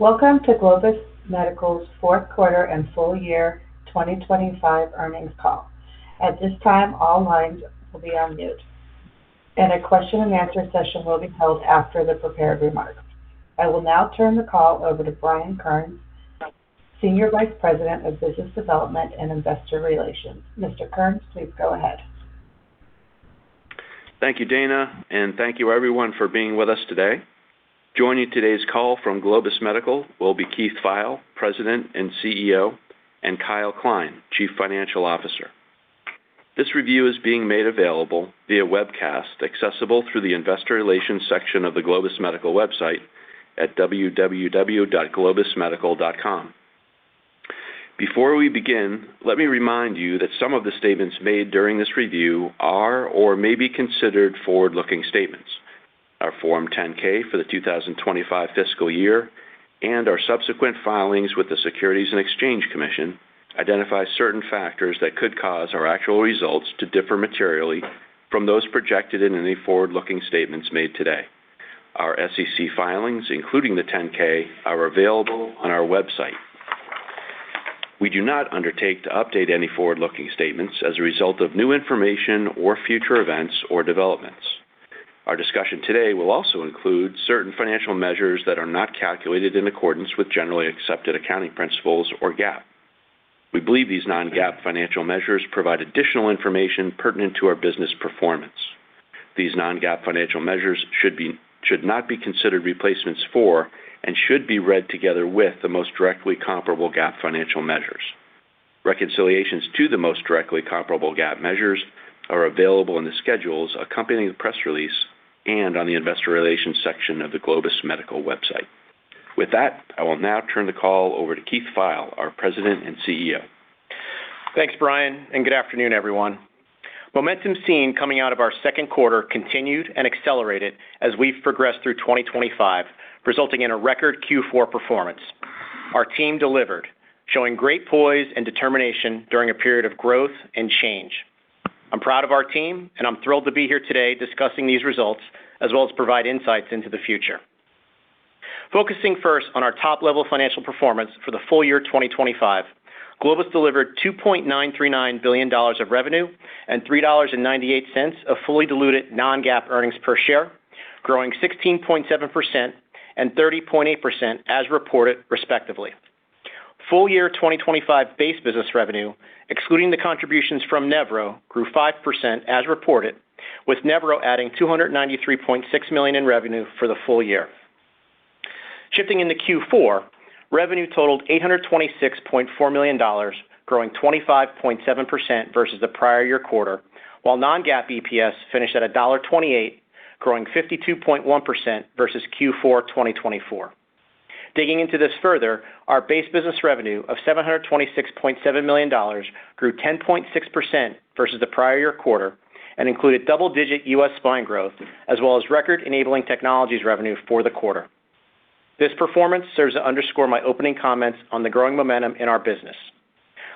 Welcome to Globus Medical's fourth quarter and full year 2025 earnings call. At this time, all lines will be on mute, and a question and answer session will be held after the prepared remarks. I will now turn the call over to Brian Kearns, Senior Vice President of Business Development and Investor Relations. Mr. Kearns, please go ahead. Thank you, Dana. Thank you everyone for being with us today. Joining today's call from Globus Medical will be Keith Pfeil, President and CEO, and Kyle Kline, Chief Financial Officer. This review is being made available via webcast, accessible through the Investor Relations section of the Globus Medical website at www.globusmedical.com. Before we begin, let me remind you that some of the statements made during this review are or may be considered forward-looking statements. Our Form 10-K for the 2025 fiscal year and our subsequent filings with the Securities and Exchange Commission identify certain factors that could cause our actual results to differ materially from those projected in any forward-looking statements made today. Our SEC filings, including the 10-K, are available on our website. We do not undertake to update any forward-looking statements as a result of new information or future events or developments. Our discussion today will also include certain financial measures that are not calculated in accordance with generally accepted accounting principles or GAAP. We believe these non-GAAP financial measures provide additional information pertinent to our business performance. These non-GAAP financial measures should not be considered replacements for and should be read together with the most directly comparable GAAP financial measures. Reconciliations to the most directly comparable GAAP measures are available in the schedules accompanying the press release and on the investor relations section of the Globus Medical website. With that, I will now turn the call over to Keith Pfeil, our President and CEO. Thanks, Brian, good afternoon, everyone. Momentum seen coming out of our second quarter continued and accelerated as we progressed through 2025, resulting in a record Q4 performance. Our team delivered, showing great poise and determination during a period of growth and change. I'm proud of our team, I'm thrilled to be here today discussing these results as well as provide insights into the future. Focusing first on our top-level financial performance for the full year 2025, Globus delivered $2.939 billion of revenue and $3.98 of fully diluted non-GAAP earnings per share, growing 16.7% and 30.8% as reported, respectively. Full year 2025 base business revenue, excluding the contributions from Nevro, grew 5% as reported, with Nevro adding $293.6 million in revenue for the full year. Shifting into Q4, revenue totaled $826.4 million, growing 25.7% versus the prior year quarter, while non-GAAP EPS finished at $1.28, growing 52.1% versus Q4 2024. Digging into this further, our base business revenue of $726.7 million grew 10.6% versus the prior year quarter and included double-digit U.S. spine growth, as well as record Enabling Technologies revenue for the quarter. This performance serves to underscore my opening comments on the growing momentum in our business.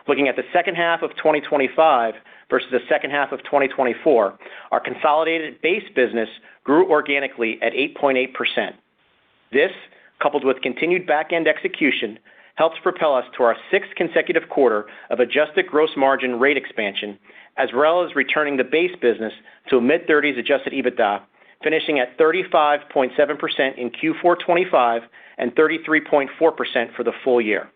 Looking at the second half of 2025 versus the second half of 2024, our consolidated base business grew organically at 8.8%. This, coupled with continued back-end execution, helps propel us to our sixth consecutive quarter of adjusted gross margin rate expansion, as well as returning the base business to mid-30s adjusted EBITDA, finishing at 35.7% in Q4 2025 and 33.4% for the full year.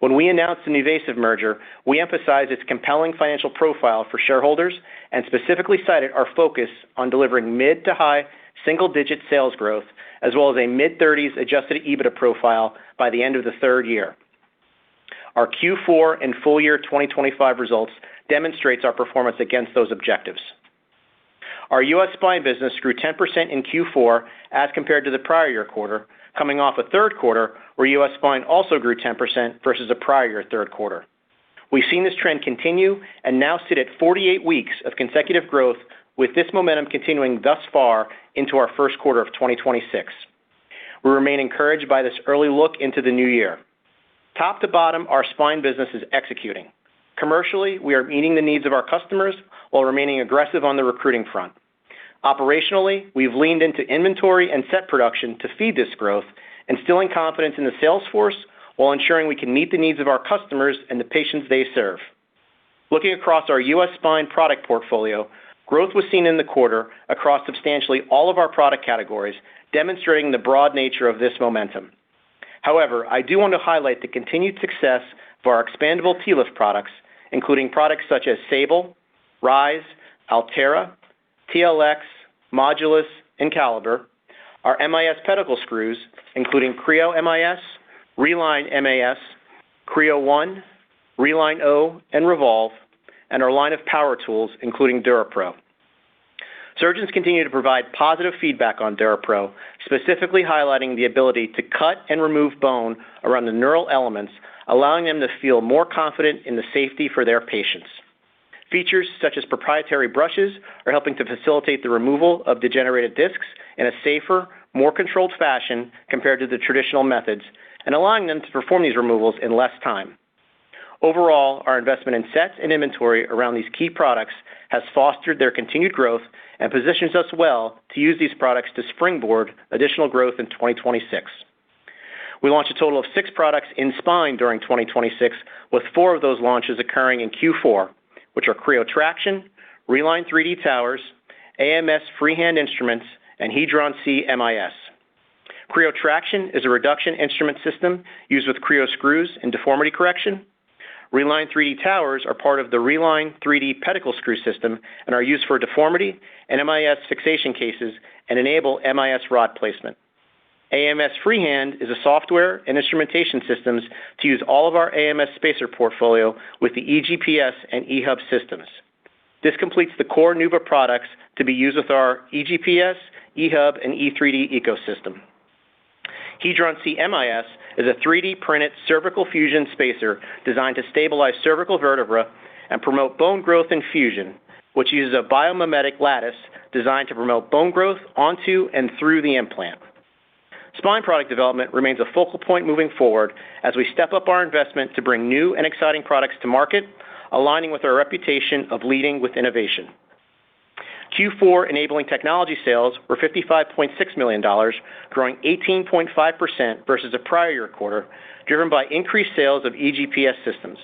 When we announced the NuVasive merger, we emphasized its compelling financial profile for shareholders and specifically cited our focus on delivering mid to high single-digit sales growth, as well as a mid-30s adjusted EBITDA profile by the end of the third year. Our Q4 and full year 2025 results demonstrates our performance against those objectives. Our U.S. spine business grew 10% in Q4 as compared to the prior year quarter, coming off a third quarter where U.S. spine also grew 10% versus the prior year third quarter. We've seen this trend continue and now sit at 48 weeks of consecutive growth, with this momentum continuing thus far into our first quarter of 2026. We remain encouraged by this early look into the new year. Top to bottom, our spine business is executing. Commercially, we are meeting the needs of our customers while remaining aggressive on the recruiting front. Operationally, we've leaned into inventory and set production to feed this growth, instilling confidence in the sales force while ensuring we can meet the needs of our customers and the patients they serve. Looking across our U.S. spine product portfolio, growth was seen in the quarter across substantially all of our product categories, demonstrating the broad nature of this momentum. However, I do want to highlight the continued success for our expandable TLIF products, including products such as SABLE, RISE, ALTERA, TLX, MODULIS, and CALIBER, our MIS pedicle screws, including CREO MIS, Reline MAS, CREO ONE, Reline-O, and REVOLVE, and our line of power tools, including DuraPro. Surgeons continue to provide positive feedback on DuraPro, specifically highlighting the ability to cut and remove bone around the neural elements, allowing them to feel more confident in the safety for their patients. Features such as proprietary brushes are helping to facilitate the removal of degenerated discs in a safer, more controlled fashion compared to the traditional methods and allowing them to perform these removals in less time. Overall, our investment in sets and inventory around these key products has fostered their continued growth and positions us well to use these products to springboard additional growth in 2026. We launched a total of six products in spine during 2026, with four of those launches occurring in Q4, which are CREO Traction, Reline 3D Towers, AMS FreeHand instruments, and HEDRON C-MIS. CREO Traction is a reduction instrument system used with CREO screws and deformity correction. Reline 3D Towers are part of the Reline 3D pedicle screw system and are used for deformity and MIS fixation cases and enable MIS rod placement. AMS FreeHand is a software and instrumentation systems to use all of our AMS spacer portfolio with the EGPS and EHub systems. This completes the core Nuva products to be used with our EGPS, EHub, and E3D ecosystem. HEDRON C-MIS is a 3D printed cervical fusion spacer designed to stabilize cervical vertebra and promote bone growth and fusion, which uses a biomimetic lattice designed to promote bone growth onto and through the implant. Spine product development remains a focal point moving forward as we step up our investment to bring new and exciting products to market, aligning with our reputation of leading with innovation. Q4 enabling technology sales were $55.6 million, growing 18.5% versus the prior year quarter, driven by increased sales of EGPS systems.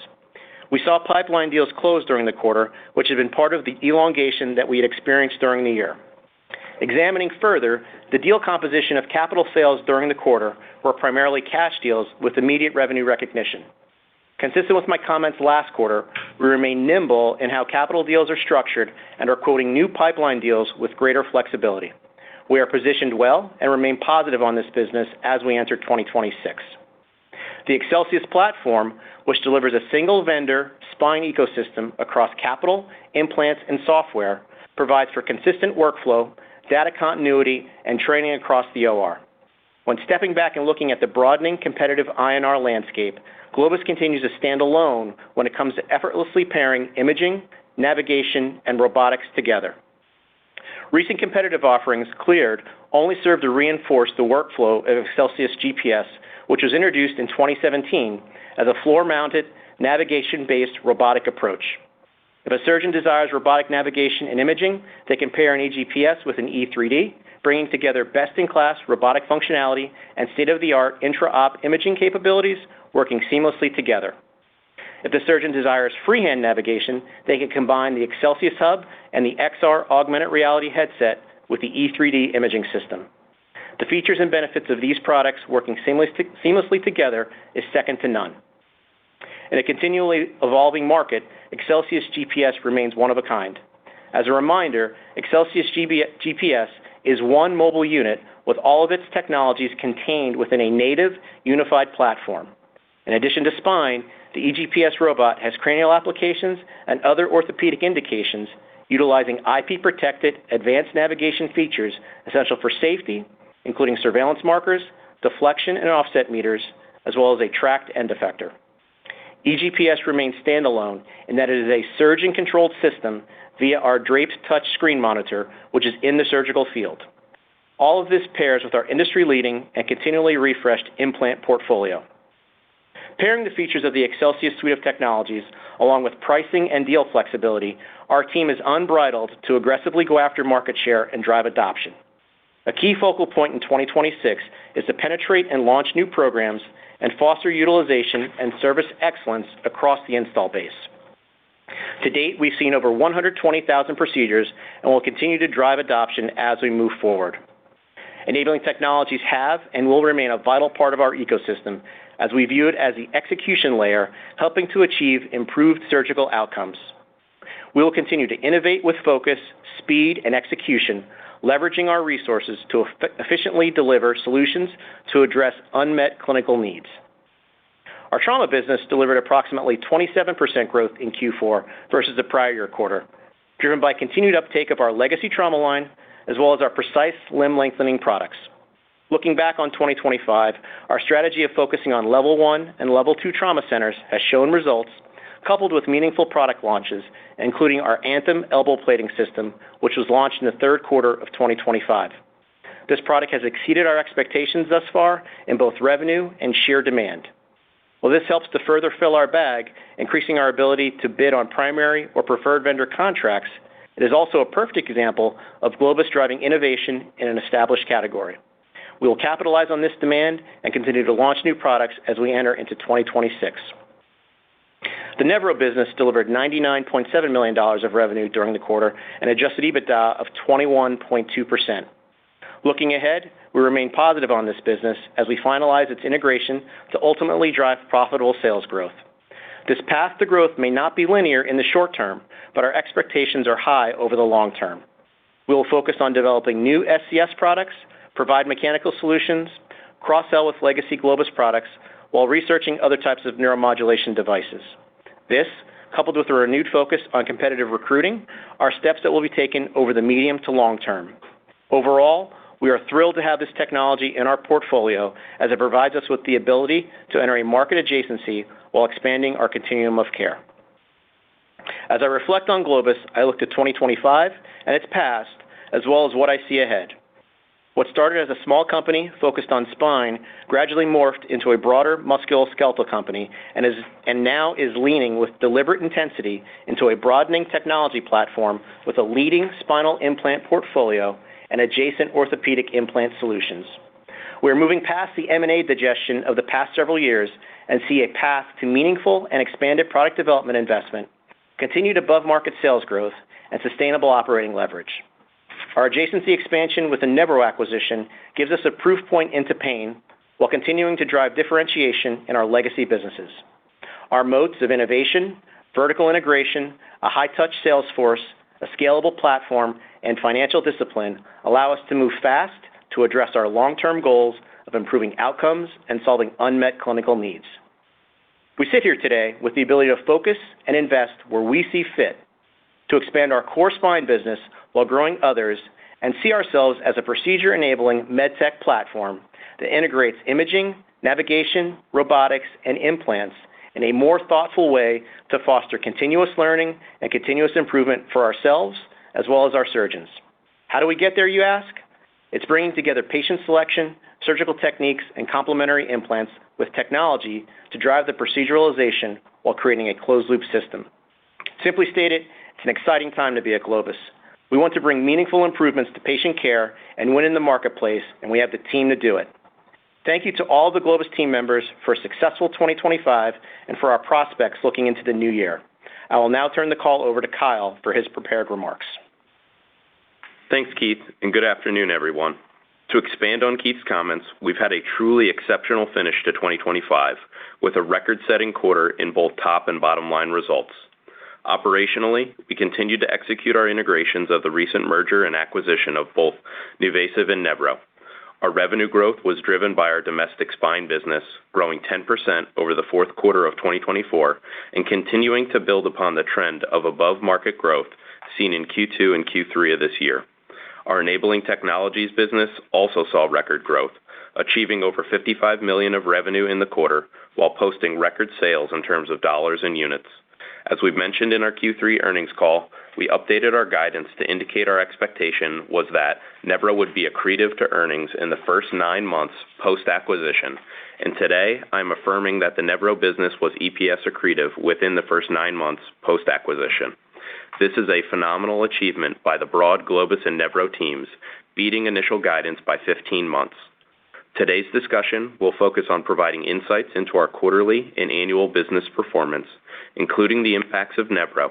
We saw pipeline deals close during the quarter, which had been part of the elongation that we had experienced during the year. Examining further, the deal composition of capital sales during the quarter were primarily cash deals with immediate revenue recognition. Consistent with my comments last quarter, we remain nimble in how capital deals are structured and are quoting new pipeline deals with greater flexibility. We are positioned well and remain positive on this business as we enter 2026. The Excelsius platform, which delivers a single vendor spine ecosystem across capital, implants, and software, provides for consistent workflow, data continuity, and training across the OR. When stepping back and looking at the broadening competitive I&R landscape, Globus continues to stand alone when it comes to effortlessly pairing imaging, navigation, and robotics together. Recent competitive offerings cleared only serve to reinforce the workflow of ExcelsiusGPS, which was introduced in 2017 as a floor-mounted, navigation-based robotic approach. If a surgeon desires robotic navigation and imaging, they can pair an EGPS with an E3D, bringing together best-in-class robotic functionality and state-of-the-art intra-op imaging capabilities, working seamlessly together. If the surgeon desires freehand navigation, they can combine the ExcelsiusHub and the XR augmented reality headset with the E3D imaging system. The features and benefits of these products working seamlessly together is second to none. In a continually evolving market, ExcelsiusGPS remains one of a kind. As a reminder, ExcelsiusGPS is one mobile unit with all of its technologies contained within a native unified platform. In addition to spine, the EGPS robot has cranial applications and other orthopedic indications utilizing IP-protected advanced navigation features essential for safety, including surveillance markers, deflection and offset meters, as well as a tracked end effector. EGPS remains standalone in that it is a surgeon-controlled system via our draped touchscreen monitor, which is in the surgical field. All of this pairs with our industry-leading and continually refreshed implant portfolio. Pairing the features of the Excelsius suite of technologies, along with pricing and deal flexibility, our team is unbridled to aggressively go after market share and drive adoption. A key focal point in 2026 is to penetrate and launch new programs and foster utilization and service excellence across the install base. To date, we've seen over 120,000 procedures and will continue to drive adoption as we move forward. Enabling technologies have and will remain a vital part of our ecosystem as we view it as the execution layer, helping to achieve improved surgical outcomes. We will continue to innovate with focus, speed, and execution, leveraging our resources to efficiently deliver solutions to address unmet clinical needs. Our trauma business delivered approximately 27% growth in Q4 versus the prior year quarter, driven by continued uptake of our legacy trauma line, as well as our precise limb lengthening products. Looking back on 2025, our strategy of focusing on level one and level two trauma centers has shown results, coupled with meaningful product launches, including our ANTHEM elbow plating system, which was launched in the third quarter of 2025. This product has exceeded our expectations thus far in both revenue and sheer demand. While this helps to further fill our bag, increasing our ability to bid on primary or preferred vendor contracts, it is also a perfect example of Globus driving innovation in an established category. We will capitalize on this demand and continue to launch new products as we enter into 2026. The Nevro business delivered $99.7 million of revenue during the quarter, and adjusted EBITDA of 21.2%. Looking ahead, we remain positive on this business as we finalize its integration to ultimately drive profitable sales growth. This path to growth may not be linear in the short term, but our expectations are high over the long term. We will focus on developing new SCS products, provide mechanical solutions, cross-sell with legacy Globus products while researching other types of neuromodulation devices. This, coupled with a renewed focus on competitive recruiting, are steps that will be taken over the medium to long term. Overall, we are thrilled to have this technology in our portfolio as it provides us with the ability to enter a market adjacency while expanding our continuum of care. As I reflect on Globus, I looked at 2025 and its past, as well as what I see ahead. What started as a small company focused on spine, gradually morphed into a broader musculoskeletal company and now is leaning with deliberate intensity into a broadening technology platform with a leading spinal implant portfolio and adjacent orthopedic implant solutions. We're moving past the M&A digestion of the past several years and see a path to meaningful and expanded product development investment, continued above-market sales growth, and sustainable operating leverage. Our adjacency expansion with the Nevro acquisition gives us a proof point into pain, while continuing to drive differentiation in our legacy businesses. Our moats of innovation, vertical integration, a high-touch sales force, a scalable platform, and financial discipline allow us to move fast to address our long-term goals of improving outcomes and solving unmet clinical needs. We sit here today with the ability to focus and invest where we see fit, to expand our core spine business while growing others, and see ourselves as a procedure-enabling medtech platform that integrates imaging, navigation, robotics, and implants in a more thoughtful way to foster continuous learning and continuous improvement for ourselves as well as our surgeons. How do we get there, you ask? It's bringing together patient selection, surgical techniques, and complementary implants with technology to drive the proceduralization while creating a closed-loop system. Simply stated, it's an exciting time to be at Globus. We want to bring meaningful improvements to patient care and win in the marketplace, and we have the team to do it. Thank you to all the Globus team members for a successful 2025 and for our prospects looking into the new year. I will now turn the call over to Kyle for his prepared remarks. Thanks, Keith, good afternoon, everyone. To expand on Keith's comments, we've had a truly exceptional finish to 2025, with a record-setting quarter in both top and bottom-line results. Operationally, we continued to execute our integrations of the recent merger and acquisition of both NuVasive and Nevro. Our revenue growth was driven by our domestic spine business, growing 10% over the fourth quarter of 2024, and continuing to build upon the trend of above-market growth seen in Q2 and Q3 of this year. Our enabling technologies business also saw record growth, achieving over $55 million of revenue in the quarter, while posting record sales in terms of dollars and units. As we've mentioned in our Q3 earnings call, we updated our guidance to indicate our expectation was that Nevro would be accretive to earnings in the first nine months post-acquisition. Today, I'm affirming that the Nevro business was EPS accretive within the first nine months post-acquisition. This is a phenomenal achievement by the broad Globus and Nevro teams, beating initial guidance by 15 months. Today's discussion will focus on providing insights into our quarterly and annual business performance, including the impacts of Nevro,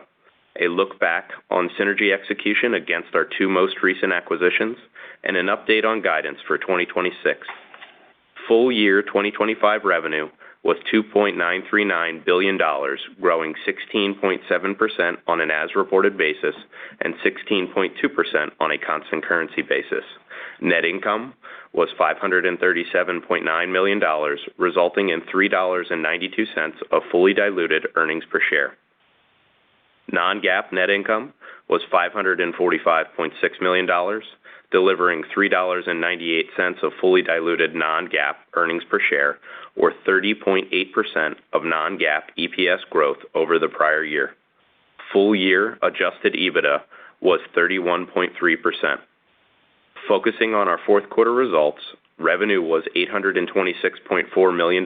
a look back on synergy execution against our two most recent acquisitions, and an update on guidance for 2026. Full year 2025 revenue was $2.939 billion, growing 16.7% on an as-reported basis and 16.2% on a constant currency basis. Net income was $537.9 million, resulting in $3.92 of fully diluted earnings per share. Non-GAAP net income was $545.6 million, delivering $3.98 of fully diluted non-GAAP earnings per share, or 30.8% of non-GAAP EPS growth over the prior year. Full-year adjusted EBITDA was 31.3%. Focusing on our fourth quarter results, revenue was $826.4 million,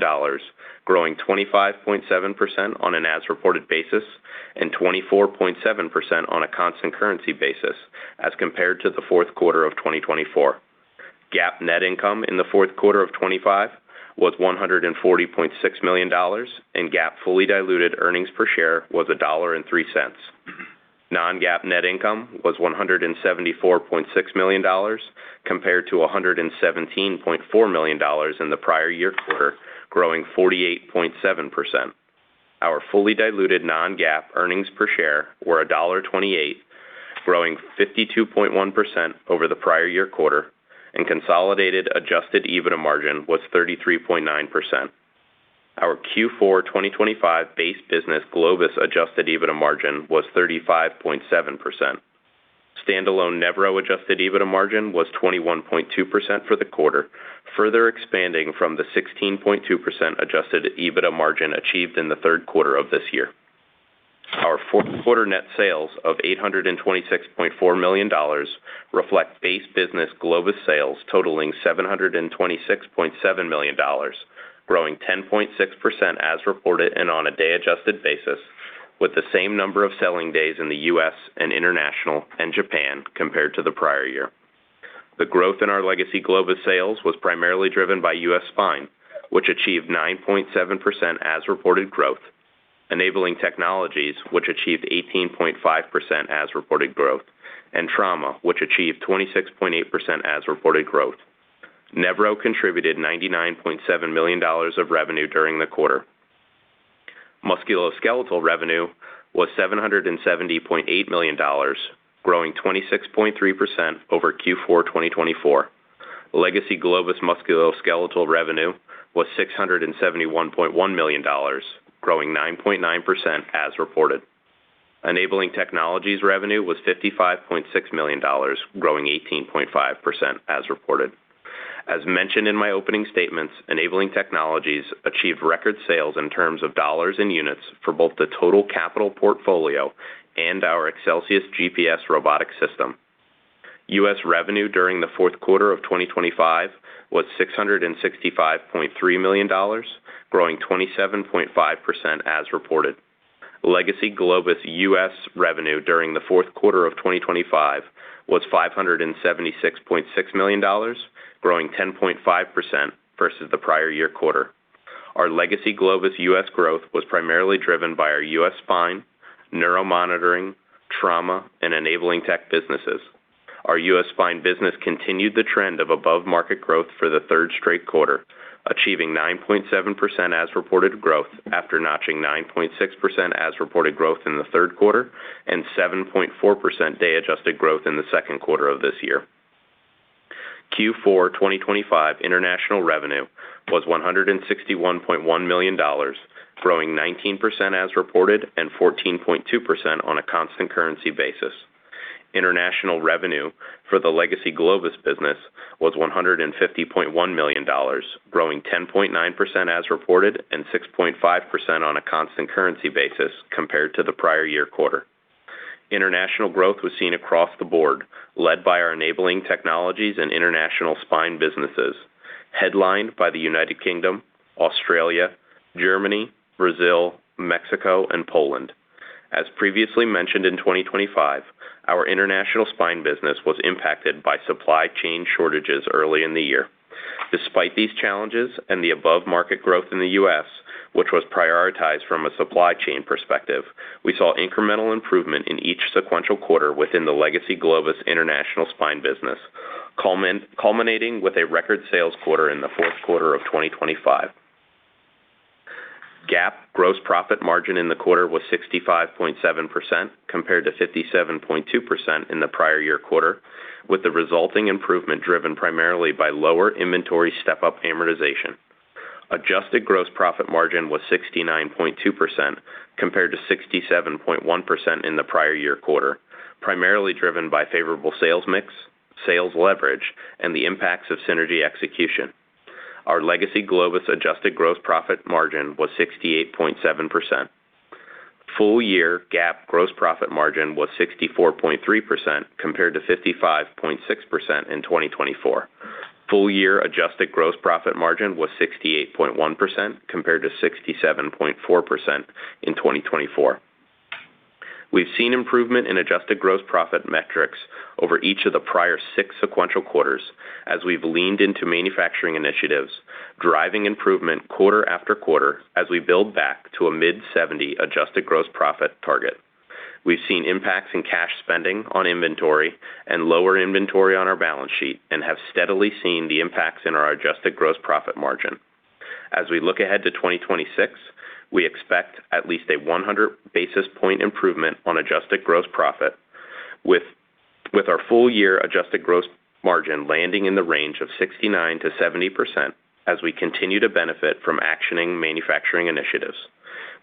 growing 25.7% on an as-reported basis and 24.7% on a constant currency basis as compared to the fourth quarter of 2024. GAAP net income in the fourth quarter of 2025 was $140.6 million, and GAAP fully diluted earnings per share was $1.03. non-GAAP net income was $174.6 million, compared to $117.4 million in the prior year quarter, growing 48.7%. Our fully diluted non-GAAP earnings per share were $1.28, growing 52.1% over the prior year quarter. Consolidated adjusted EBITDA margin was 33.9%. Our Q4 2025 base business, Globus adjusted EBITDA margin, was 35.7%. Standalone Nevro adjusted EBITDA margin was 21.2% for the quarter, further expanding from the 16.2% adjusted EBITDA margin achieved in the third quarter of this year. Our fourth quarter net sales of $826.4 million reflect base business Globus sales totaling $726.7 million, growing 10.6% as reported and on a day-adjusted basis, with the same number of selling days in the U.S. and International and Japan compared to the prior year. The growth in our legacy Globus sales was primarily driven by U.S. spine, which achieved 9.7% as-reported growth, enabling technologies which achieved 18.5% as-reported growth, and trauma, which achieved 26.8% as-reported growth. Nevro contributed $99.7 million of revenue during the quarter. Musculoskeletal revenue was $770.8 million, growing 26.3% over Q4 2024. Legacy Globus Musculoskeletal revenue was $671.1 million, growing 9.9% as reported. Enabling Technologies revenue was $55.6 million, growing 18.5% as reported. As mentioned in my opening statements, Enabling Technologies achieved record sales in terms of dollars and units for both the total capital portfolio and our ExcelsiusGPS robotic system. U.S. revenue during the fourth quarter of 2025 was $665.3 million, growing 27.5% as reported. Legacy Globus U.S. revenue during the fourth quarter of 2025 was $576.6 million, growing 10.5% versus the prior year quarter. Our legacy Globus U.S. growth was primarily driven by our U.S. spine, neuromonitoring, trauma, and enabling tech businesses. Our U.S. spine business continued the trend of above-market growth for the third straight quarter, achieving 9.7% as reported growth after notching 9.6% as reported growth in the third quarter and 7.4% day adjusted growth in the second quarter of this year. Q4 2025 international revenue was $161.1 million, growing 19% as reported and 14.2% on a constant currency basis. International revenue for the legacy Globus business was $150.1 million, growing 10.9% as reported and 6.5% on a constant currency basis compared to the prior year quarter. International growth was seen across the board, led by our enabling technologies and international spine businesses, headlined by the United Kingdom, Australia, Germany, Brazil, Mexico, and Poland. As previously mentioned in 2025, our international spine business was impacted by supply chain shortages early in the year. Despite these challenges and the above-market growth in the U.S., which was prioritized from a supply chain perspective, we saw incremental improvement in each sequential quarter within the legacy Globus international spine business, culminating with a record sales quarter in the fourth quarter of 2025. GAAP gross profit margin in the quarter was 65.7%, compared to 57.2% in the prior year quarter, with the resulting improvement driven primarily by lower inventory step-up amortization. Adjusted gross profit margin was 69.2%, compared to 67.1% in the prior year quarter, primarily driven by favorable sales mix, sales leverage, and the impacts of synergy execution. Our legacy Globus adjusted gross profit margin was 68.7%. Full year GAAP gross profit margin was 64.3%, compared to 55.6% in 2024. Full year adjusted gross profit margin was 68.1%, compared to 67.4% in 2024. We've seen improvement in adjusted gross profit metrics over each of the prior six sequential quarters as we've leaned into manufacturing initiatives, driving improvement quarter after quarter as we build back to a mid-70 adjusted gross profit target. We've seen impacts in cash spending on inventory and lower inventory on our balance sheet and have steadily seen the impacts in our adjusted gross profit margin. As we look ahead to 2026, we expect at least a 100 basis point improvement on adjusted gross profit, with our full year adjusted gross margin landing in the range of 69%-70% as we continue to benefit from actioning manufacturing initiatives.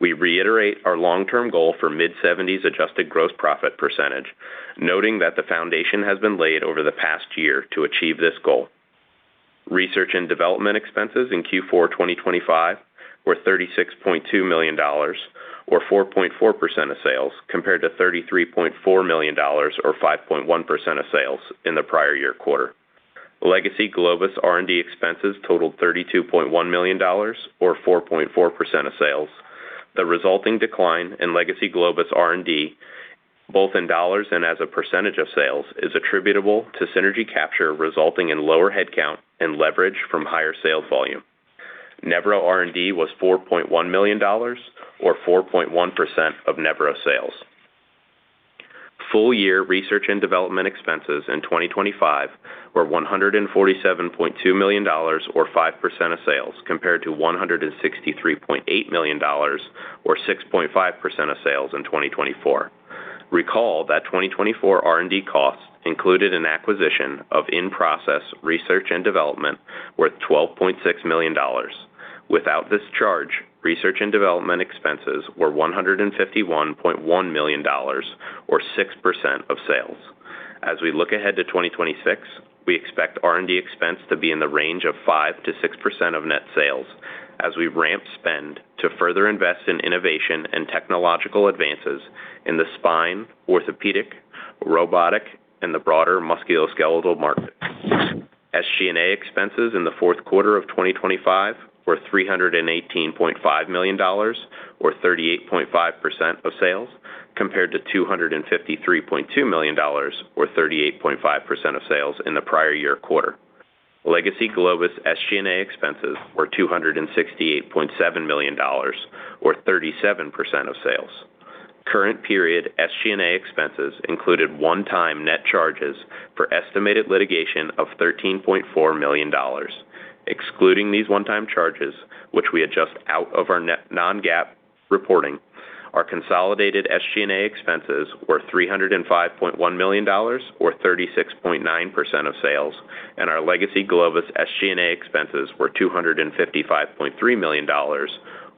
We reiterate our long-term goal for mid-70s adjusted gross profit percentage, noting that the foundation has been laid over the past year to achieve this goal. Research and development expenses in Q4 2025 were $36.2 million, or 4.4% of sales, compared to $33.4 million, or 5.1% of sales in the prior year quarter. Legacy Globus R&D expenses totaled $32.1 million, or 4.4% of sales. The resulting decline in legacy Globus R&D, both in dollars and as a percentage of sales, is attributable to synergy capture, resulting in lower headcount and leverage from higher sales volume. Nevro R&D was $4.1 million, or 4.1% of Nevro sales. Full year research and development expenses in 2025 were $147.2 million, or 5% of sales, compared to $163.8 million, or 6.5% of sales in 2024. Recall that 2024 R&D costs included an acquisition of in-process research and development worth $12.6 million. Without this charge, research and development expenses were $151.1 million, or 6% of sales. We look ahead to 2026, we expect R&D expense to be in the range of 5%-6% of net sales as we ramp spend to further invest in innovation and technological advances in the spine, orthopedic, robotic, and the broader Musculoskeletal markets. SG&A expenses in the fourth quarter of 2025 were $318.5 million, or 38.5% of sales, compared to $253.2 million, or 38.5% of sales in the prior year quarter. Legacy Globus SG&A expenses were $268.7 million, or 37% of sales. Current period SG&A expenses included one-time net charges for estimated litigation of $13.4 million. Excluding these one-time charges, which we adjust out of our net non-GAAP reporting, our consolidated SG&A expenses were $305.1 million, or 36.9% of sales, and our legacy Globus SG&A expenses were $255.3 million,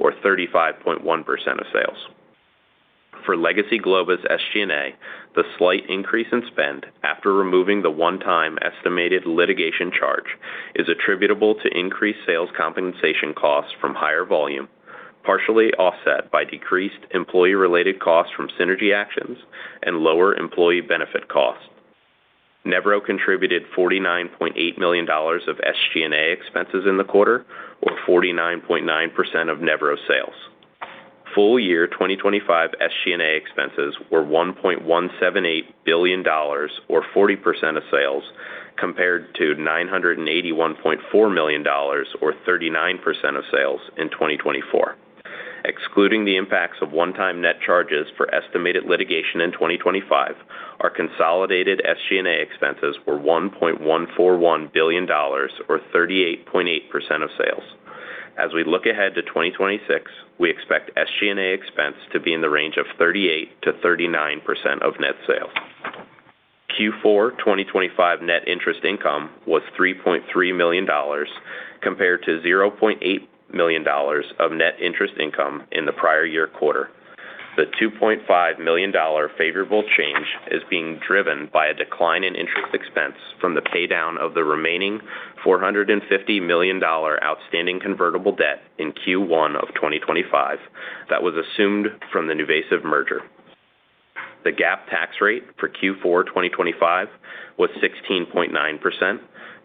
or 35.1% of sales. For legacy Globus SG&A, the slight increase in spend after removing the one-time estimated litigation charge, is attributable to increased sales compensation costs from higher volume, partially offset by decreased employee-related costs from synergy actions and lower employee benefit costs. Nevro contributed $49.8 million of SG&A expenses in the quarter, or 49.9% of Nevro sales. Full year 2025 SG&A expenses were $1.178 billion, or 40% of sales, compared to $981.4 million, or 39% of sales in 2024. Excluding the impacts of one-time net charges for estimated litigation in 2025, our consolidated SG&A expenses were $1.141 billion or 38.8% of sales. As we look ahead to 2026, we expect SG&A expense to be in the range of 38%-39% of net sales. Q4 2025 net interest income was $3.3 million, compared to $0.8 million of net interest income in the prior year quarter. The $2.5 million favorable change is being driven by a decline in interest expense from the paydown of the remaining $450 million outstanding convertible debt in Q1 of 2025, that was assumed from the NuVasive merger. The GAAP tax rate for Q4 2025 was 16.9%,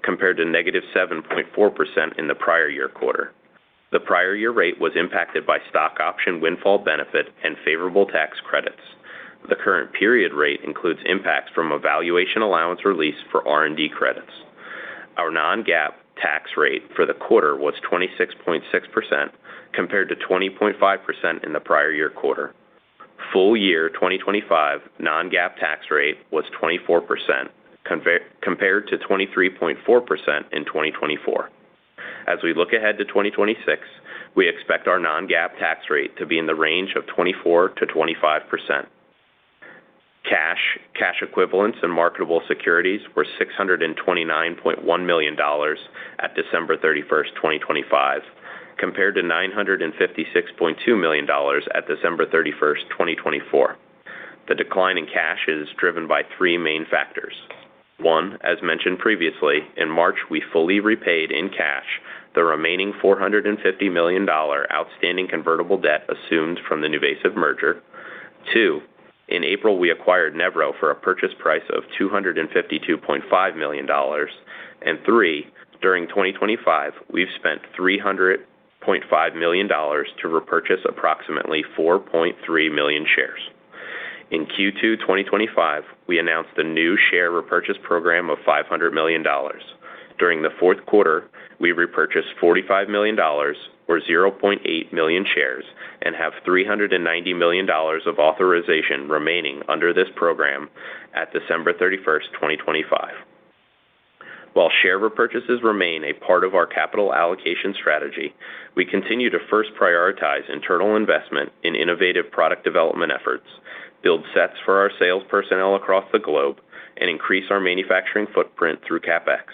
compared to -7.4% in the prior year quarter. The prior year rate was impacted by stock option windfall benefit and favorable tax credits. The current period rate includes impacts from a valuation allowance release for R&D credits. Our non-GAAP tax rate for the quarter was 26.6%, compared to 20.5% in the prior year quarter. Full year 2025 non-GAAP tax rate was 24%, compared to 23.4% in 2024. As we look ahead to 2026, we expect our non-GAAP tax rate to be in the range of 24%-25%. Cash, cash equivalents and marketable securities were $629.1 million at December 31st, 2025, compared to $956.2 million at December 31st, 2024. The decline in cash is driven by three main factors. One, as mentioned previously, in March, we fully repaid in cash the remaining $450 million outstanding convertible debt assumed from the NuVasive merger. Two, in April, we acquired Nevro for a purchase price of $252.5 million. And three, during 2025, we've spent $300.5 million to repurchase approximately 4.3 million shares. In Q2 2025, we announced a new share repurchase program of $500 million. During the fourth quarter, we repurchased $45 million or 0.8 million shares, and have $390 million of authorization remaining under this program at December 31st, 2025. While share repurchases remain a part of our capital allocation strategy, we continue to first prioritize internal investment in innovative product development efforts, build sets for our sales personnel across the globe, and increase our manufacturing footprint through CapEx.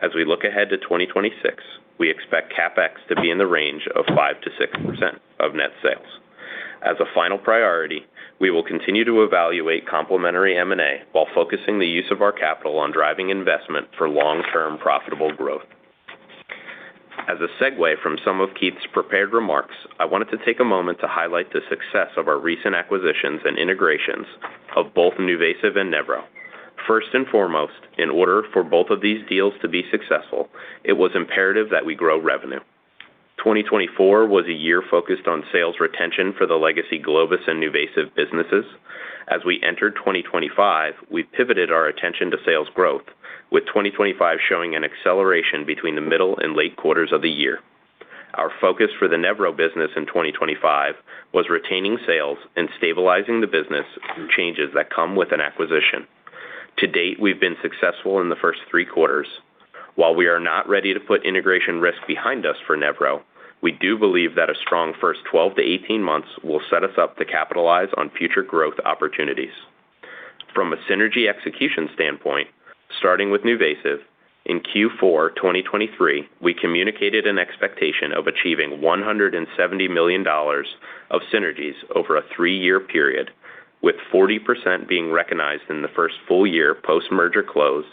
As we look ahead to 2026, we expect CapEx to be in the range of 5%-6% of net sales. As a final priority, we will continue to evaluate complementary M&A while focusing the use of our capital on driving investment for long-term profitable growth. As a segue from some of Keith's prepared remarks, I wanted to take a moment to highlight the success of our recent acquisitions and integrations of both NuVasive and Nevro. First and foremost, in order for both of these deals to be successful, it was imperative that we grow revenue. 2024 was a year focused on sales retention for the legacy Globus and NuVasive businesses. As we entered 2025, we pivoted our attention to sales growth, with 2025 showing an acceleration between the middle and late quarters of the year. Our focus for the Nevro business in 2025 was retaining sales and stabilizing the business through changes that come with an acquisition. To date, we've been successful in the first three quarters. While we are not ready to put integration risk behind us for Nevro, we do believe that a strong first 12 to 18 months will set us up to capitalize on future growth opportunities. From a synergy execution standpoint, starting with NuVasive, in Q4 2023, we communicated an expectation of achieving $170 million of synergies over a three-year period, with 40% being recognized in the first full year post-merger close,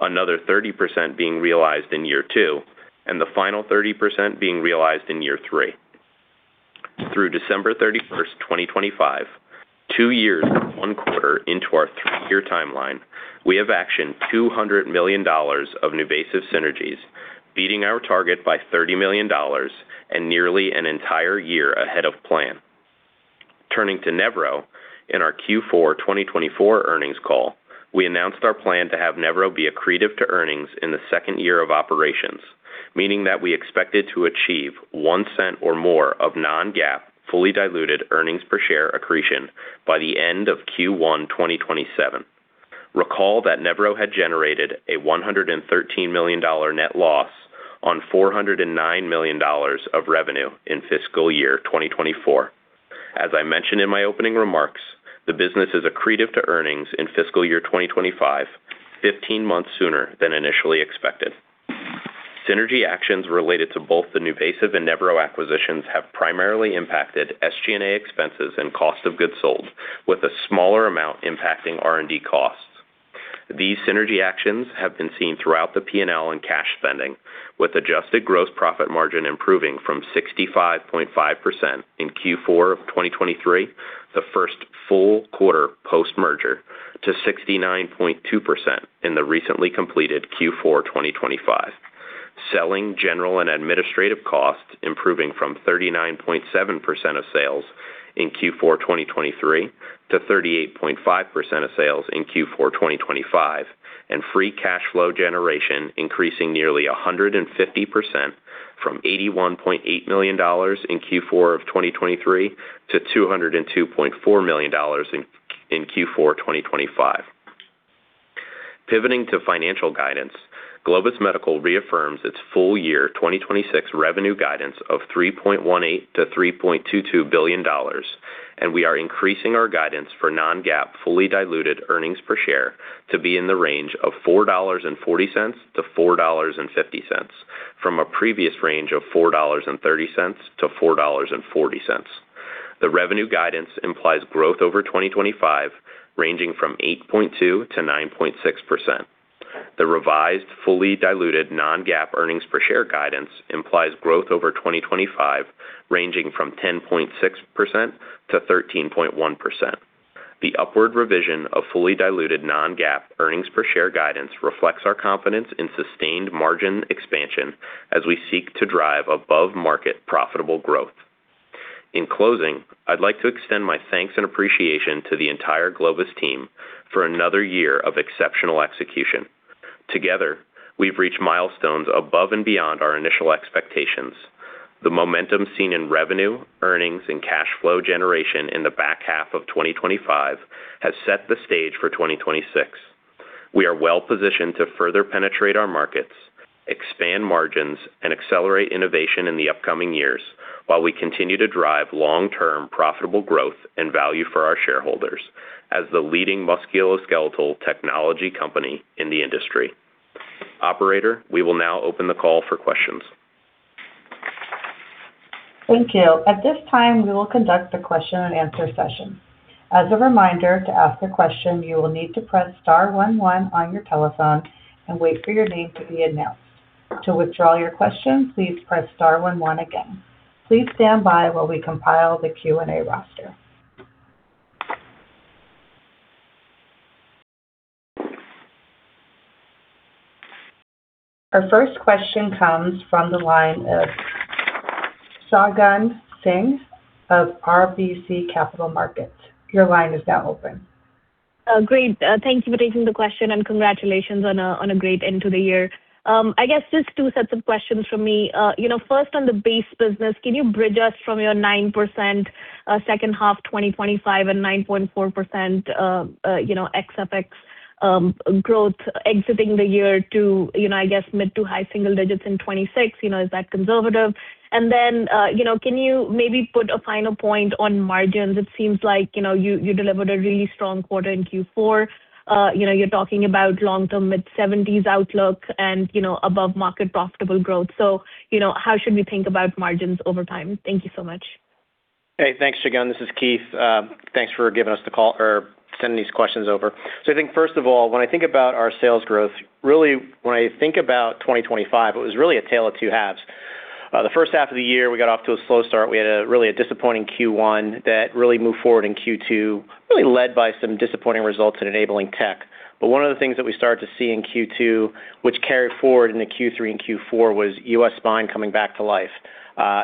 another 30% being realized in year two, and the final 30% being realized in year three. Through December 31st, 2025, two years, one quarter into our three-year timeline, we have actioned $200 million of NuVasive synergies, beating our target by $30 million and nearly an entire year ahead of plan. Turning to Nevro, in our Q4 2024 earnings call, we announced our plan to have Nevro be accretive to earnings in the second year of operations, meaning that we expected to achieve $0.01 or more of non-GAAP fully diluted earnings per share accretion by the end of Q1 2027. Recall that Nevro had generated a $113 million net loss on $409 million of revenue in fiscal year 2024. As I mentioned in my opening remarks, the business is accretive to earnings in fiscal year 2025, 15 months sooner than initially expected. Synergy actions related to both the NuVasive and Nevro acquisitions have primarily impacted SG&A expenses and cost of goods sold, with a smaller amount impacting R&D costs. These synergy actions have been seen throughout the P&L and cash spending, with adjusted gross profit margin improving from 65.5% in Q4 of 2023, the first full quarter post-merger, to 69.2% in the recently completed Q4 2025. Selling General and Administrative costs, improving from 39.7% of sales in Q4 2023 to 38.5% of sales in Q4 2025, and free cash flow generation increasing nearly 150% from $81.8 million in Q4 of 2023 to $202.4 million in Q4 2025. Pivoting to financial guidance, Globus Medical reaffirms its full year 2026 revenue guidance of $3.18 billion-$3.22 billion, we are increasing our guidance for non-GAAP, fully diluted earnings per share to be in the range of $4.40-$4.50, from a previous range of $4.30-$4.40. The revenue guidance implies growth over 2025, ranging from 8.2%-9.6%. The revised, fully diluted non-GAAP earnings per share guidance implies growth over 2025, ranging from 10.6%-13.1%. The upward revision of fully diluted non-GAAP earnings per share guidance reflects our confidence in sustained margin expansion as we seek to drive above-market profitable growth. In closing, I'd like to extend my thanks and appreciation to the entire Globus team for another year of exceptional execution. Together, we've reached milestones above and beyond our initial expectations. The momentum seen in revenue, earnings and cash flow generation in the back half of 2025 has set the stage for 2026. We are well positioned to further penetrate our markets, expand margins, and accelerate innovation in the upcoming years, while we continue to drive long-term profitable growth and value for our shareholders as the leading Musculoskeletal technology company in the industry. Operator, we will now open the call for questions. Thank you. At this time, we will conduct a question-and-answer session. As a reminder, to ask a question, you will need to press star one one on your telephone and wait for your name to be announced. To withdraw your question, please press star one one again. Please stand by while we compile the Q&A roster. Our first question comes from the line of Shagun Singh of RBC Capital Markets. Your line is now open. Great. Thank you for taking the question, and congratulations on a great end to the year. I guess just two sets of questions from me. You know, first, on the base business, can you bridge us from your 9%, second half 2025 and 9.4%, you know, ex-APEX growth exiting the year to, you know, I guess, mid to high single digits in 2026. You know, is that conservative? Then, you know, can you maybe put a final point on margins? It seems like, you know, you delivered a really strong quarter in Q4. You know, you're talking about long-term mid-seventies outlook and, you know, above-market profitable growth. You know, how should we think about margins over time? Thank you so much. Hey, thanks, Shagun. This is Keith. Thanks for giving us the call or sending these questions over. I think first of all, when I think about our sales growth, really, when I think about 2025, it was really a tale of two halves. The first half of the year, we got off to a slow start. We had a really a disappointing Q1 that really moved forward in Q2, really led by some disappointing results in enabling tech. One of the things that we started to see in Q2, which carried forward into Q3 and Q4, was U.S. spine coming back to life.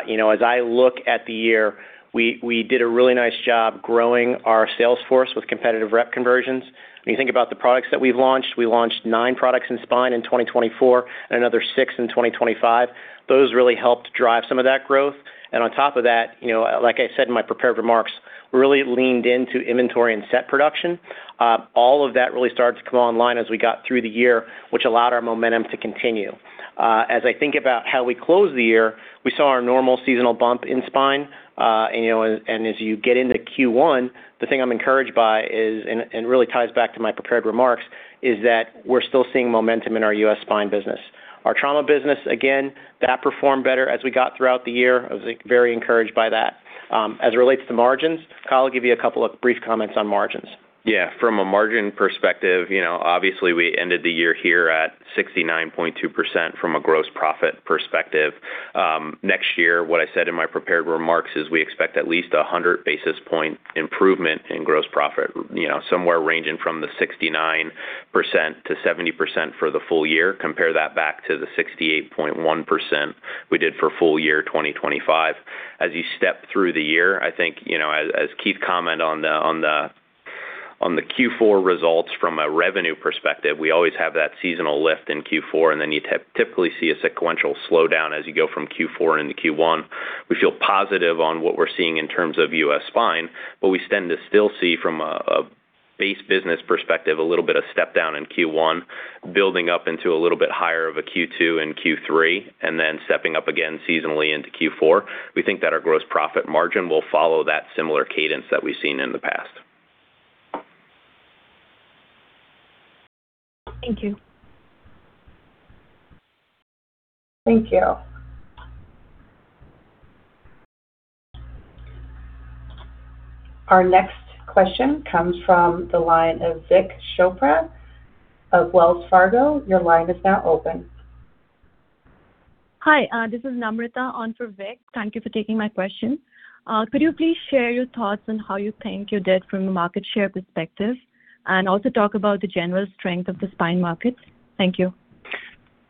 You know, as I look at the year, we did a really nice job growing our sales force with competitive rep conversions. When you think about the products that we've launched, we launched nine products in spine in 2024 and another six in 2025. Those really helped drive some of that growth. On top of that, you know, like I said in my prepared remarks, really leaned into inventory and set production. All of that really started to come online as we got through the year, which allowed our momentum to continue. As I think about how we closed the year, we saw our normal seasonal bump in spine. You know, as you get into Q1, the thing I'm encouraged by is, and really ties back to my prepared remarks, is that we're still seeing momentum in our U.S. spine business. Our trauma business, again, that performed better as we got throughout the year. I was very encouraged by that. As it relates to margins, Kyle will give you a couple of brief comments on margins. From a margin perspective, you know, obviously we ended the year here at 69.2% from a gross profit perspective. Next year, what I said in my prepared remarks is we expect at least a 100 basis point improvement in gross profit, you know, somewhere ranging from the 69%-70% for the full year. Compare that back to the 68.1% we did for full year 2025. As you step through the year, I think, you know, as Keith comment on the Q4 results from a revenue perspective, we always have that seasonal lift in Q4, then you typically see a sequential slowdown as you go from Q4 into Q1. We feel positive on what we're seeing in terms of U.S. spine. We tend to still see from a base business perspective, a little bit of step down in Q1, building up into a little bit higher of a Q2 and Q3, and then stepping up again seasonally into Q4. We think that our gross profit margin will follow that similar cadence that we've seen in the past. Thank you. Thank you. Our next question comes from the line of Vik Chopra of Wells Fargo. Your line is now open. Hi, this is Namrata on for Vik. Thank you for taking my question. Could you please share your thoughts on how you think you did from a market share perspective, and also talk about the general strength of the spine market? Thank you.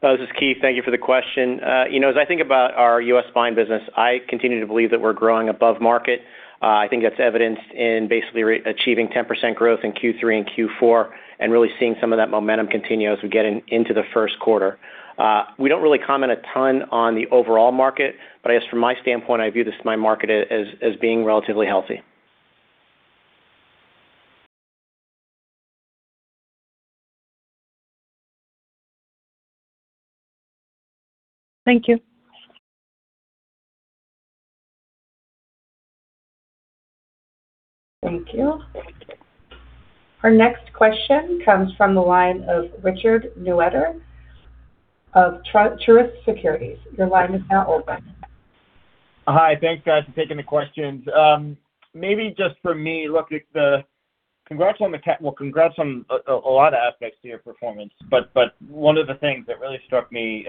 This is Keith. Thank you for the question. You know, as I think about our U.S. spine business, I continue to believe that we're growing above market. I think that's evidenced in basically re-achieving 10% growth in Q3 and Q4, and really seeing some of that momentum continue as we get into the first quarter. We don't really comment a ton on the overall market, but I guess from my standpoint, I view the spine market as being relatively healthy. Thank you. Thank you. Our next question comes from the line of Richard Newitter of Truist Securities. Your line is now open. Hi. Thanks, guys, for taking the questions. Maybe just for me, look, Well, congrats on a lot of aspects of your performance, but one of the things that really struck me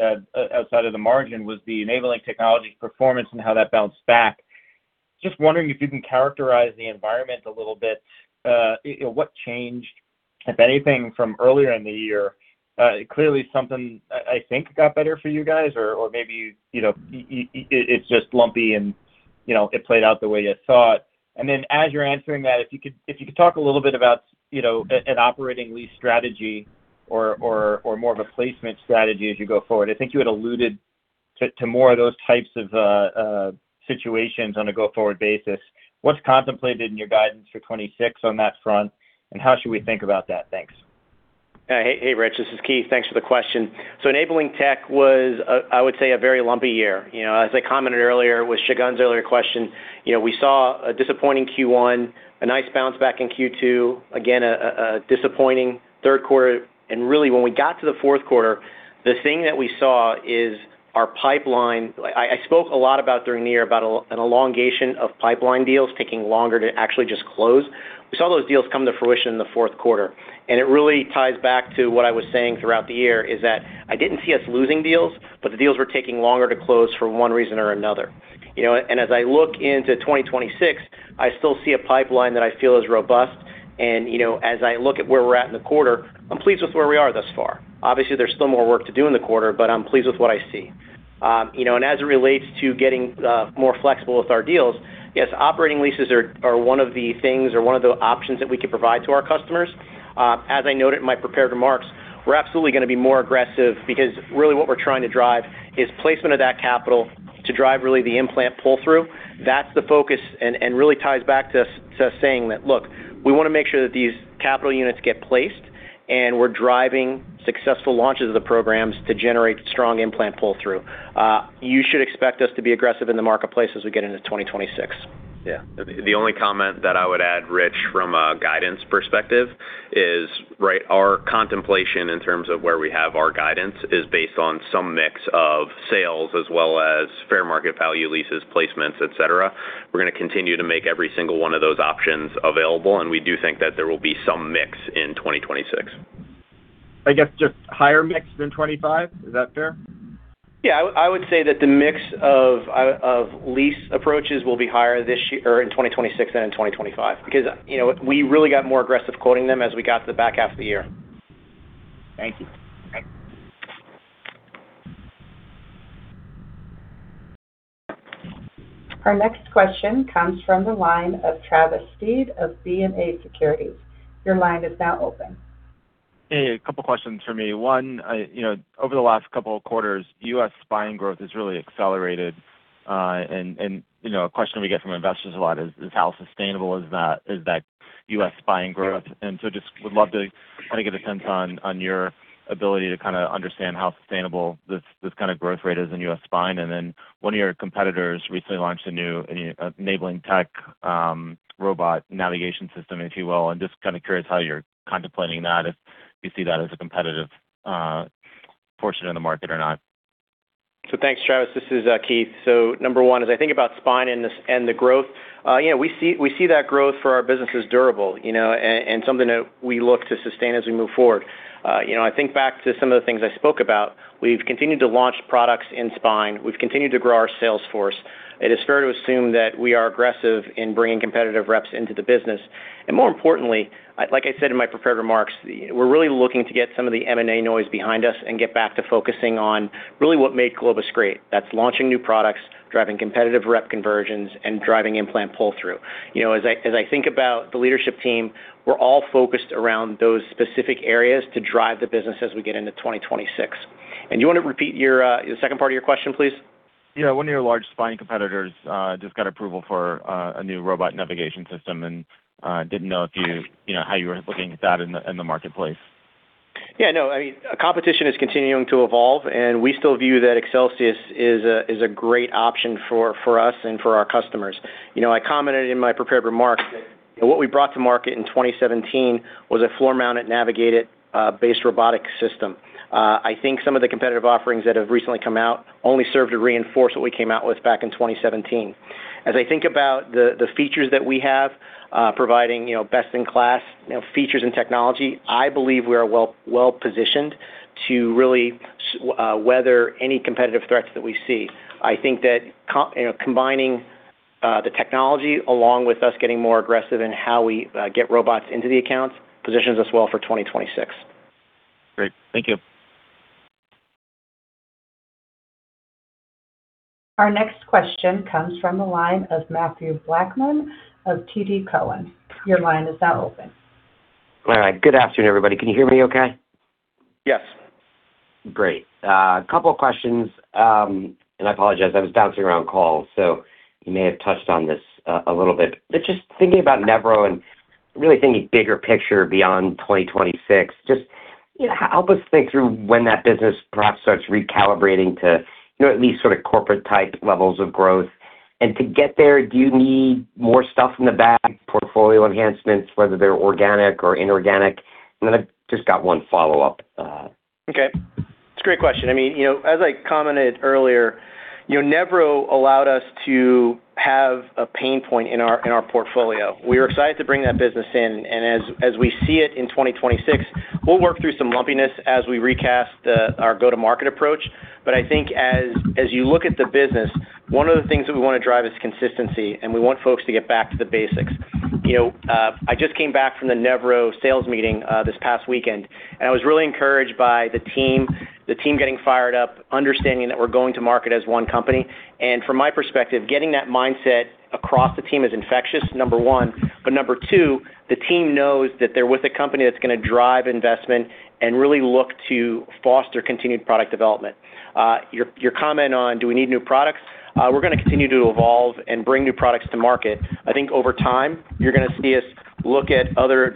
outside of the margin was the enabling technology performance and how that bounced back. Just wondering if you can characterize the environment a little bit. You know, what changed, if anything, from earlier in the year? Clearly something I think got better for you guys, or maybe, you know, it's just lumpy and, you know, it played out the way you thought. Then as you're answering that, if you could talk a little bit about, you know, an operating lease strategy or more of a placement strategy as you go forward. I think you had alluded to more of those types of situations on a go-forward basis. What's contemplated in your guidance for 2026 on that front, and how should we think about that? Thanks. Hey, Richard, this is Keith. Thanks for the question. Enabling tech was, I would say, a very lumpy year. You know, as I commented earlier with Shagun's earlier question, you know, we saw a disappointing Q1, a nice bounce back in Q2, again, a disappointing third quarter. Really, when we got to the fourth quarter, the thing that we saw is our pipeline... I spoke a lot about during the year about an elongation of pipeline deals taking longer to actually just close. We saw those deals come to fruition in the fourth quarter, it really ties back to what I was saying throughout the year, is that I didn't see us losing deals, but the deals were taking longer to close for one reason or another. You know, as I look into 2026, I still see a pipeline that I feel is robust. You know, as I look at where we're at in the quarter, I'm pleased with where we are thus far. Obviously, there's still more work to do in the quarter, but I'm pleased with what I see. You know, as it relates to getting more flexible with our deals, yes, operating leases are one of the things or one of the options that we can provide to our customers. As I noted in my prepared remarks, we're absolutely going to be more aggressive because really what we're trying to drive is placement of that capital to drive really the implant pull-through. That's the focus and really ties back to us saying that, look, we want to make sure that these capital units get placed, and we're driving successful launches of the programs to generate strong implant pull-through. You should expect us to be aggressive in the marketplace as we get into 2026. Yeah. The only comment that I would add, Rich, from a guidance perspective is, right, our contemplation in terms of where we have our guidance is based on some mix of sales as well as fair market value leases, placements, et cetera. We're going to continue to make every single one of those options available, we do think that there will be some mix in 2026. I guess just higher mix than 2025. Is that fair? Yeah, I would say that the mix of lease approaches will be higher this year, or in 2026 than in 2025. You know, we really got more aggressive quoting them as we got to the back half of the year. Thank you. Our next question comes from the line of Travis Steed of BofA Securities. Your line is now open. Hey, a couple questions for me. One, you know, over the last couple of quarters, U.S. spine growth has really accelerated, and, you know, a question we get from investors a lot is: How sustainable is that U.S. spine growth? just would love to kind of get a sense on your ability to kind of understand how sustainable this kind of growth rate is in U.S. spine. one of your competitors recently launched a new enabling tech robot navigation system, if you will. I'm just kind of curious how you're contemplating that, if you see that as a competitive portion of the market or not. Thanks, Travis. This is Keith. Number one, as I think about spine and the growth, you know, we see that growth for our business as durable, you know, and something that we look to sustain as we move forward. You know, I think back to some of the things I spoke about. We've continued to launch products in spine. We've continued to grow our sales force. It is fair to assume that we are aggressive in bringing competitive reps into the business. More importantly, like I said in my prepared remarks, we're really looking to get some of the M&A noise behind us and get back to focusing on really what made Globus great. That's launching new products, driving competitive rep conversions, and driving implant pull-through. You know, as I think about the leadership team, we're all focused around those specific areas to drive the business as we get into 2026. You want to repeat your the second part of your question, please? One of your large spine competitors just got approval for a new robot navigation system, and didn't know if you know, how you were looking at that in the marketplace? Yeah, no, I mean, competition is continuing to evolve, and we still view that Excelsius is a great option for us and for our customers. You know, I commented in my prepared remarks that what we brought to market in 2017 was a floor-mounted, navigated, base robotic system. I think some of the competitive offerings that have recently come out only serve to reinforce what we came out with back in 2017. As I think about the features that we have, providing, you know, best-in-class, you know, features and technology, I believe we are well-positioned to really weather any competitive threats that we see. I think that, you know, combining the technology along with us getting more aggressive in how we get robots into the accounts, positions us well for 2026. Great. Thank you. Our next question comes from the line of Matthew Blackman of TD Cowen. Your line is now open. All right. Good afternoon, everybody. Can you hear me okay? Yes. Great. A couple of questions, and I apologize, I was bouncing around calls, so you may have touched on this a little bit. Just thinking about Nevro and really thinking bigger picture beyond 2026, just, you know, help us think through when that business perhaps starts recalibrating to, you know, at least sort of corporate-type levels of growth. To get there, do you need more stuff in the bag, portfolio enhancements, whether they're organic or inorganic? I've just got one follow-up. Okay. It's a great question. I mean, you know, as I commented earlier, you know, Nevro allowed us to have a pain point in our, in our portfolio. We were excited to bring that business in, and as we see it in 2026, we'll work through some lumpiness as we recast our go-to-market approach. I think as you look at the business, one of the things that we want to drive is consistency, and we want folks to get back to the basics. You know, I just came back from the Nevro sales meeting, this past weekend, and I was really encouraged by the team, the team getting fired up, understanding that we're going to market as one company. From my perspective, getting that mindset across the team is infectious, number one, but number two, the team knows that they're with a company that's going to drive investment and really look to foster continued product development. Your comment on, do we need new products? We're going to continue to evolve and bring new products to market. I think over time, you're going to see us look at other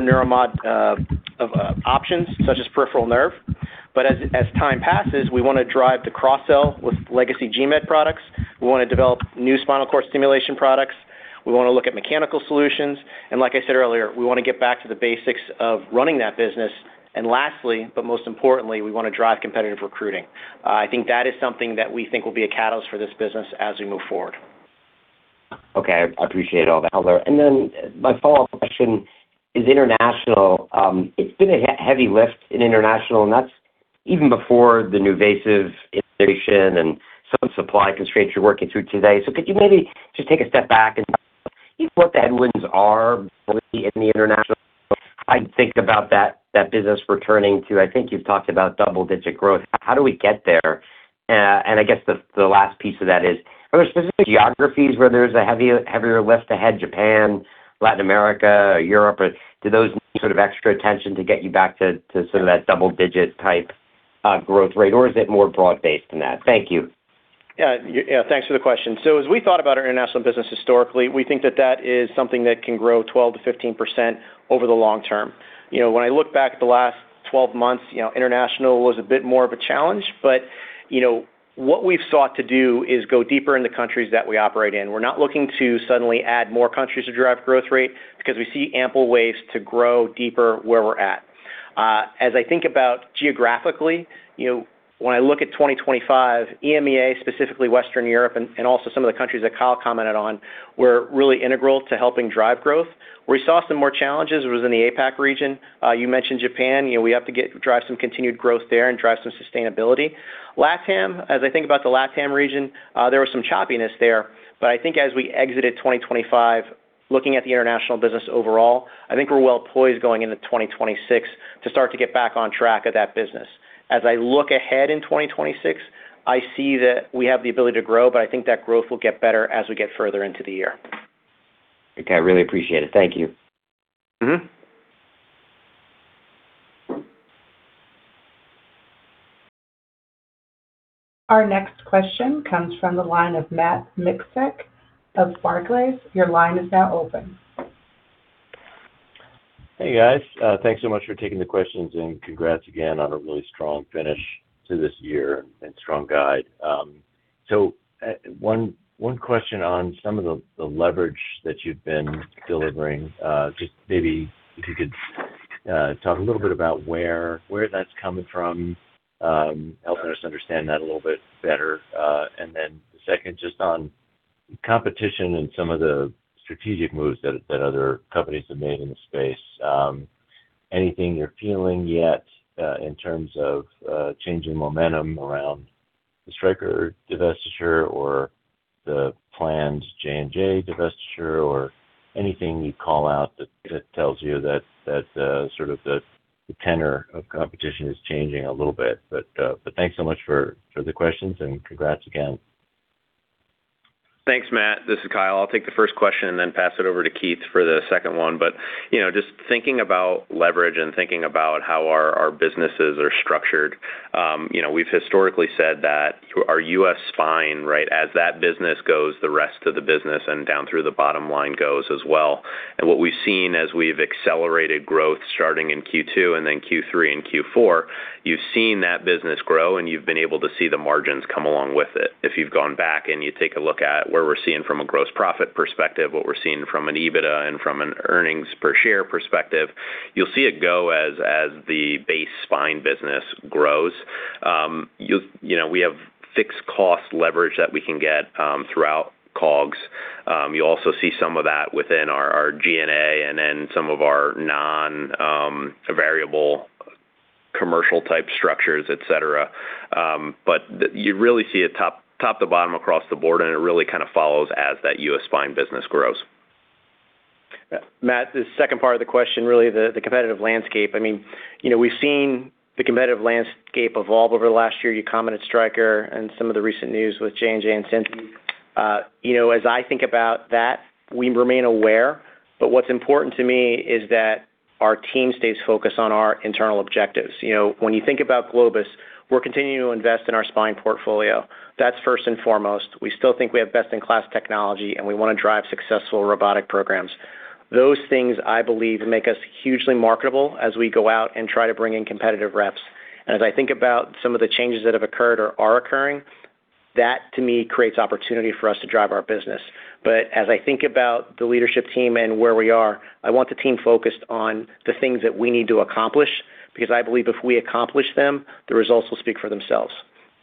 neuromod options, such as peripheral nerve. As time passes, we want to drive the cross-sell with legacy GMED products. We want to develop new spinal cord stimulation products. We want to look at mechanical solutions, and like I said earlier, we want to get back to the basics of running that business. Lastly, but most importantly, we want to drive competitive recruiting. I think that is something that we think will be a catalyst for this business as we move forward. Okay. I appreciate all that color. My follow-up question, is international. It's been a heavy lift in international, and that's even before the NuVasive inflation and some supply constraints you're working through today. Could you maybe just take a step back and tell us what the headwinds are fully in the international? I think about that business returning to. I think you've talked about double-digit growth. How do we get there? I guess the last piece of that is, are there specific geographies where there's a heavier lift ahead, Japan, Latin America, Europe, or do those need sort of extra attention to get you back to some of that double-digit type growth rate, or is it more broad-based than that? Thank you. Yeah. Yeah, thanks for the question. As we thought about our international business historically, we think that that is something that can grow 12%-15% over the long term. You know, when I look back at the last 12 months, you know, international was a bit more of a challenge, but, you know, what we've sought to do is go deeper in the countries that we operate in. We're not looking to suddenly add more countries to drive growth rate because we see ample ways to grow deeper where we're at. As I think about geographically, you know, when I look at 2025, EMEA, specifically Western Europe and also some of the countries that Kyle commented on, were really integral to helping drive growth. Where we saw some more challenges was in the APAC region. You mentioned Japan, you know, we have to drive some continued growth there and drive some sustainability. LATAM, as I think about the LATAM region, there was some choppiness there, but I think as we exited 2025, looking at the international business overall, I think we're well poised going into 2026 to start to get back on track of that business. As I look ahead in 2026, I see that we have the ability to grow, but I think that growth will get better as we get further into the year. Okay. I really appreciate it. Thank you. Mm-hmm. Our next question comes from the line of Matt Miksic of Barclays. Your line is now open. Hey, guys. Thanks so much for taking the questions, and congrats again on a really strong finish to this year and strong guide. One question on some of the leverage that you've been delivering. Just maybe if you could talk a little bit about where that's coming from, helping us understand that a little bit better. Then the second, just on competition and some of the strategic moves that other companies have made in the space. Anything you're feeling yet, in terms of changing momentum around the Stryker divestiture or the planned J&J divestiture or anything you'd call out that tells you that, sort of the tenor of competition is changing a little bit. Thanks so much for the questions, and congrats again. Thanks, Matt. This is Kyle. I'll take the first question and then pass it over to Keith for the second one. You know, just thinking about leverage and thinking about how our businesses are structured, you know, we've historically said that our U.S. spine, right, as that business goes, the rest of the business and down through the bottom line goes as well. What we've seen as we've accelerated growth, starting in Q2 and then Q3 and Q4, you've seen that business grow, and you've been able to see the margins come along with it. If you've gone back and you take a look at where we're seeing from a gross profit perspective, what we're seeing from an EBITDA and from an earnings per share perspective, you'll see it go as the base spine business grows, you know, we have fixed cost leverage that we can get throughout COGS. you also see some of that within our G&A and then some of our non variable commercial type structures, et cetera. you really see it top to bottom across the board, and it really kind of follows as that U.S. spine business grows. Matt, the second part of the question, really the competitive landscape. I mean, you know, we've seen the competitive landscape evolve over the last year. You commented Stryker and some of the recent news with J&J and Synthes. You know, as I think about that, we remain aware, but what's important to me is that our team stays focused on our internal objectives. You know, when you think about Globus, we're continuing to invest in our spine portfolio. That's first and foremost. We still think we have best-in-class technology, and we want to drive successful robotic programs. Those things, I believe, make us hugely marketable as we go out and try to bring in competitive reps. As I think about some of the changes that have occurred or are occurring, that to me, creates opportunity for us to drive our business. As I think about the leadership team and where we are, I want the team focused on the things that we need to accomplish, because I believe if we accomplish them, the results will speak for themselves.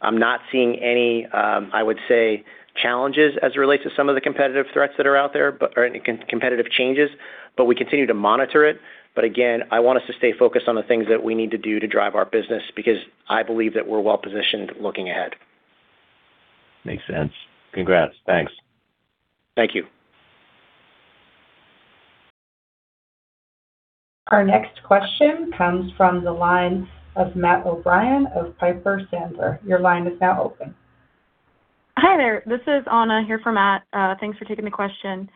I'm not seeing any, I would say, challenges as it relates to some of the competitive threats that are out there, or any competitive changes, but we continue to monitor it. Again, I want us to stay focused on the things that we need to do to drive our business, because I believe that we're well-positioned looking ahead. Makes sense. Congrats. Thanks. Thank you. Our next question comes from the line of Matt O'Brien of Piper Sandler. Your line is now open. Hi, there. This is Anna here for Matt. Thanks for taking the question.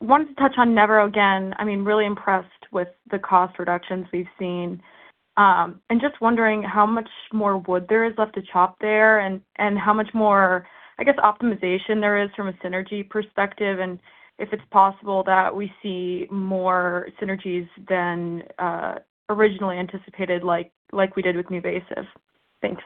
Wanted to touch on Nevro again. I mean, really impressed with the cost reductions we've seen. Just wondering how much more wood there is left to chop there and how much more, I guess, optimization there is from a synergy perspective. If it's possible that we see more synergies than, originally anticipated, like we did with NuVasive. Thanks.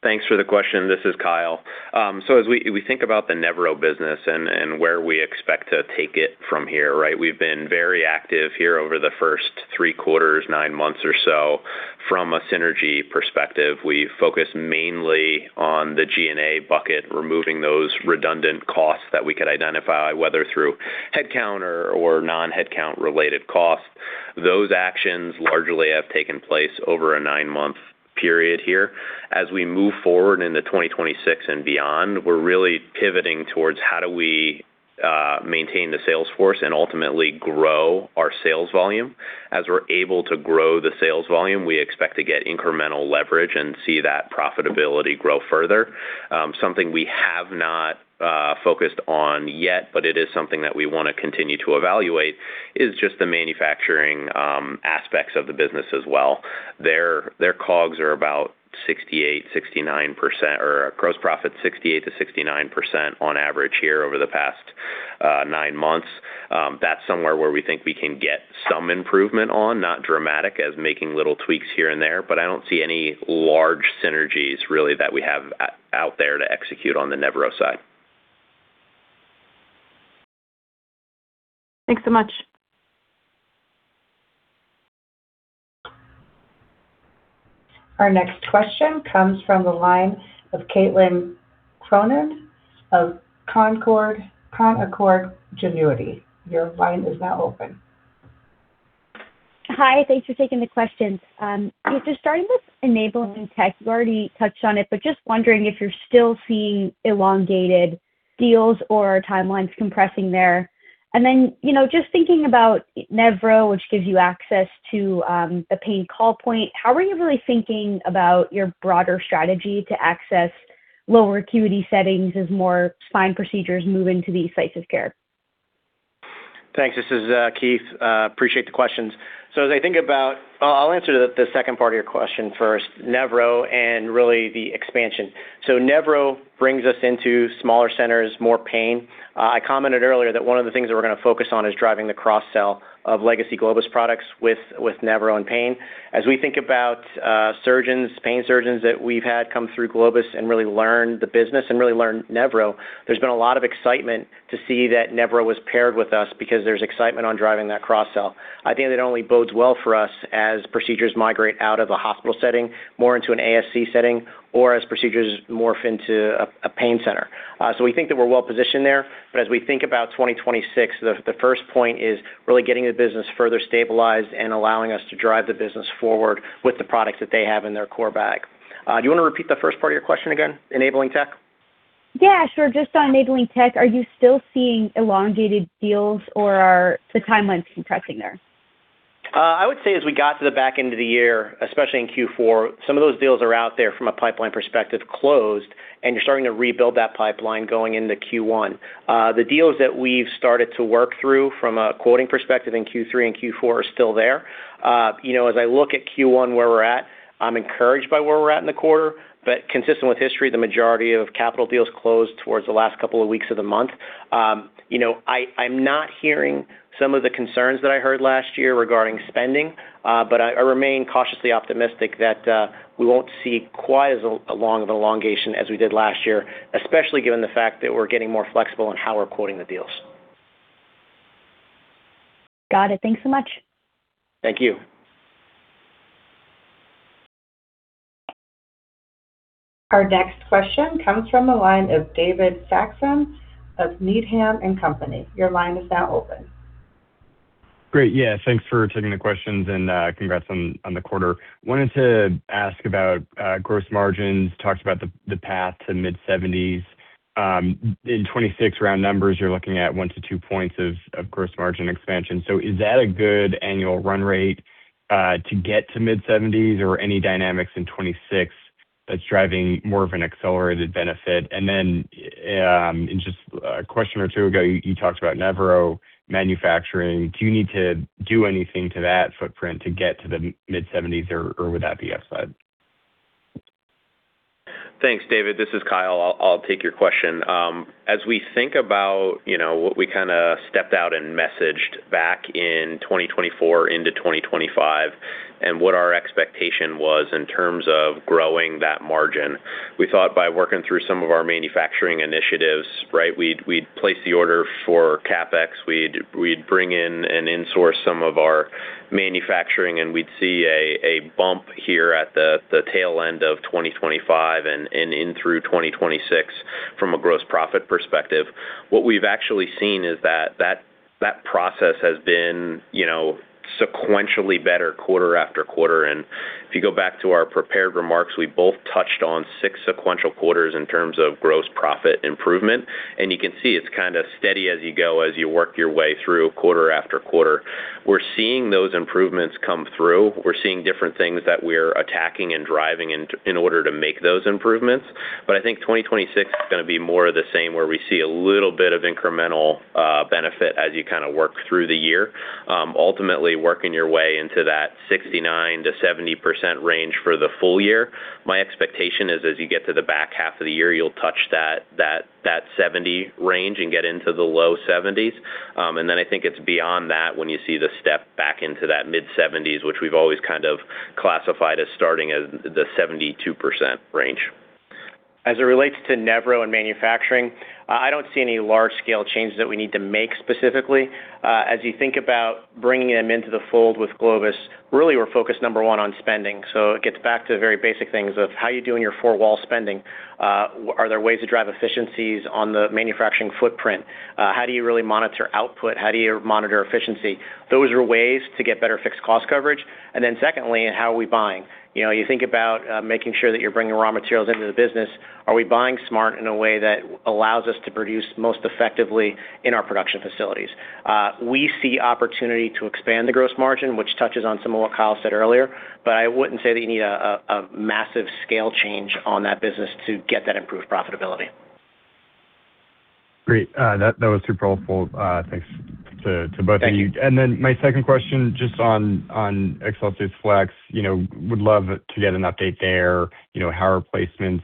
Thanks for the question. This is Kyle. As we think about the Nevro business and where we expect to take it from here, right? We've been very active here over the first three quarters, nine months or so. From a synergy perspective, we focus mainly on the G&A bucket, removing those redundant costs that we could identify, whether through headcount or non-headcount related costs. Those actions largely have taken place over a nine-month period here. As we move forward into 2026 and beyond, we're really pivoting towards how do we maintain the sales force and ultimately grow our sales volume. As we're able to grow the sales volume, we expect to get incremental leverage and see that profitability grow further. Something we have not focused on yet, but it is something that we want to continue to evaluate, is just the manufacturing aspects of the business as well. Their COGS are about 68%, 69% or gross profit, 68%-69% on average here over the past nine months. That's somewhere where we think we can get some improvement on, not dramatic as making little tweaks here and there, but I don't see any large synergies really that we have out there to execute on the Nevro side. Thanks so much. Our next question comes from the line of Caitlin Cronin of Canaccord Genuity. Your line is now open. Hi, thanks for taking the question. Just starting with enabling tech, you already touched on it, but just wondering if you're still seeing elongated deals or timelines compressing there. You know, just thinking about Nevro, which gives you access to, the pain call point, how are you really thinking about your broader strategy to access lower acuity settings as more spine procedures move into the sites of care? Thanks. This is Keith. Appreciate the questions. As I think about... I'll answer the second part of your question first, Nevro and really the expansion. Nevro brings us into smaller centers, more pain. I commented earlier that one of the things that we're going to focus on is driving the cross-sell of legacy Globus products with Nevro and pain. As we think about surgeons, pain surgeons that we've had come through Globus and really learn the business and really learn Nevro, there's been a lot of excitement to see that Nevro was paired with us because there's excitement on driving that cross-sell. I think that only bodes well for us as procedures migrate out of a hospital setting, more into an ASC setting or as procedures morph into a pain center. We think that we're well positioned there, but as we think about 2026, the first point is really getting the business further stabilized and allowing us to drive the business forward with the products that they have in their core bag. Do you want to repeat the first part of your question again? Enabling tech. Yeah, sure. Just on enabling tech, are you still seeing elongated deals or are the timelines compressing there? I would say as we got to the back end of the year, especially in Q4, some of those deals are out there from a pipeline perspective, closed, and you're starting to rebuild that pipeline going into Q1. The deals that we've started to work through from a quoting perspective in Q3 and Q4 are still there. You know, as I look at Q1, where we're at, I'm encouraged by where we're at in the quarter, consistent with history, the majority of capital deals closed towards the last couple of weeks of the month. You know, I'm not hearing some of the concerns that I heard last year regarding spending, but I remain cautiously optimistic that we won't see quite as, a long of elongation as we did last year, especially given the fact that we're getting more flexible in how we're quoting the deals. Got it. Thanks so much. Thank you. Our next question comes from the line of David Saxon of Needham & Company. Your line is now open. Great. Yeah, thanks for taking the questions, congrats on the quarter. Wanted to ask about gross margins. Talked about the path to mid-70s. In 2026 round numbers, you're looking at 1-2 points of gross margin expansion. Is that a good annual run rate to get to mid-70s, or any dynamics in 2026 that's driving more of an accelerated benefit? In just a question or two ago, you talked about Nevro manufacturing. Do you need to do anything to that footprint to get to the mid-70s, or would that be upside? Thanks, David. This is Kyle. I'll take your question. As we think about, you know, what we kinda stepped out and messaged back in 2024 into 2025, and what our expectation was in terms of growing that margin, we thought by working through some of our manufacturing initiatives, right, we'd place the order for CapEx, we'd bring in and in-source some of our manufacturing, and we'd see a bump here at the tail end of 2025 and in through 2026 from a gross profit perspective. What we've actually seen is that process has been, you know, sequentially better quarter after quarter. If you go back to our prepared remarks, we both touched on six sequential quarters in terms of gross profit improvement, and you can see it's kind of steady as you go, as you work your way through quarter after quarter. We're seeing those improvements come through. We're seeing different things that we're attacking and driving in order to make those improvements. I think 2026 is gonna be more of the same, where we see a little bit of incremental benefit as you kind of work through the year. Ultimately working your way into that 69%-70% range for the full year. My expectation is as you get to the back half of the year, you'll touch that 70% range and get into the low 70s. Then I think it's beyond that, when you see the step back into that mid-seventies, which we've always kind of classified as starting as the 72% range. As it relates to Nevro and manufacturing, I don't see any large scale changes that we need to make specifically. As you think about bringing them into the fold with Globus, really, we're focused, number one, on spending. It gets back to the very basic things of how are you doing your four-wall spending? Are there ways to drive efficiencies on the manufacturing footprint? How do you really monitor output? How do you monitor efficiency? Those are ways to get better fixed cost coverage. Secondly, how are we buying? You know, you think about, making sure that you're bringing raw materials into the business. Are we buying smart in a way that allows us to produce most effectively in our production facilities? We see opportunity to expand the gross margin, which touches on some of what Kyle said earlier, but I wouldn't say that you need a massive scale change on that business to get that improved profitability. Great. That was super helpful. Thanks to both of you. Thank you. My second question, just on ExcelsiusFlex. You know, would love to get an update there. You know, how are placements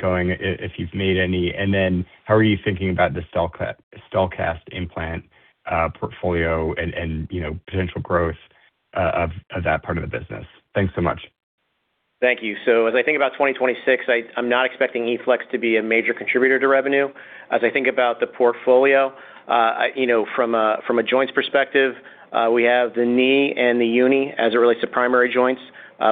going, if you've made any? How are you thinking about the StelKast implant portfolio and, you know, potential growth of that part of the business? Thanks so much. Thank you. As I think about 2026, I'm not expecting EFlex to be a major contributor to revenue. As I think about the portfolio, you know, from a, from a joints perspective, we have the knee and the uni as it relates to primary joints.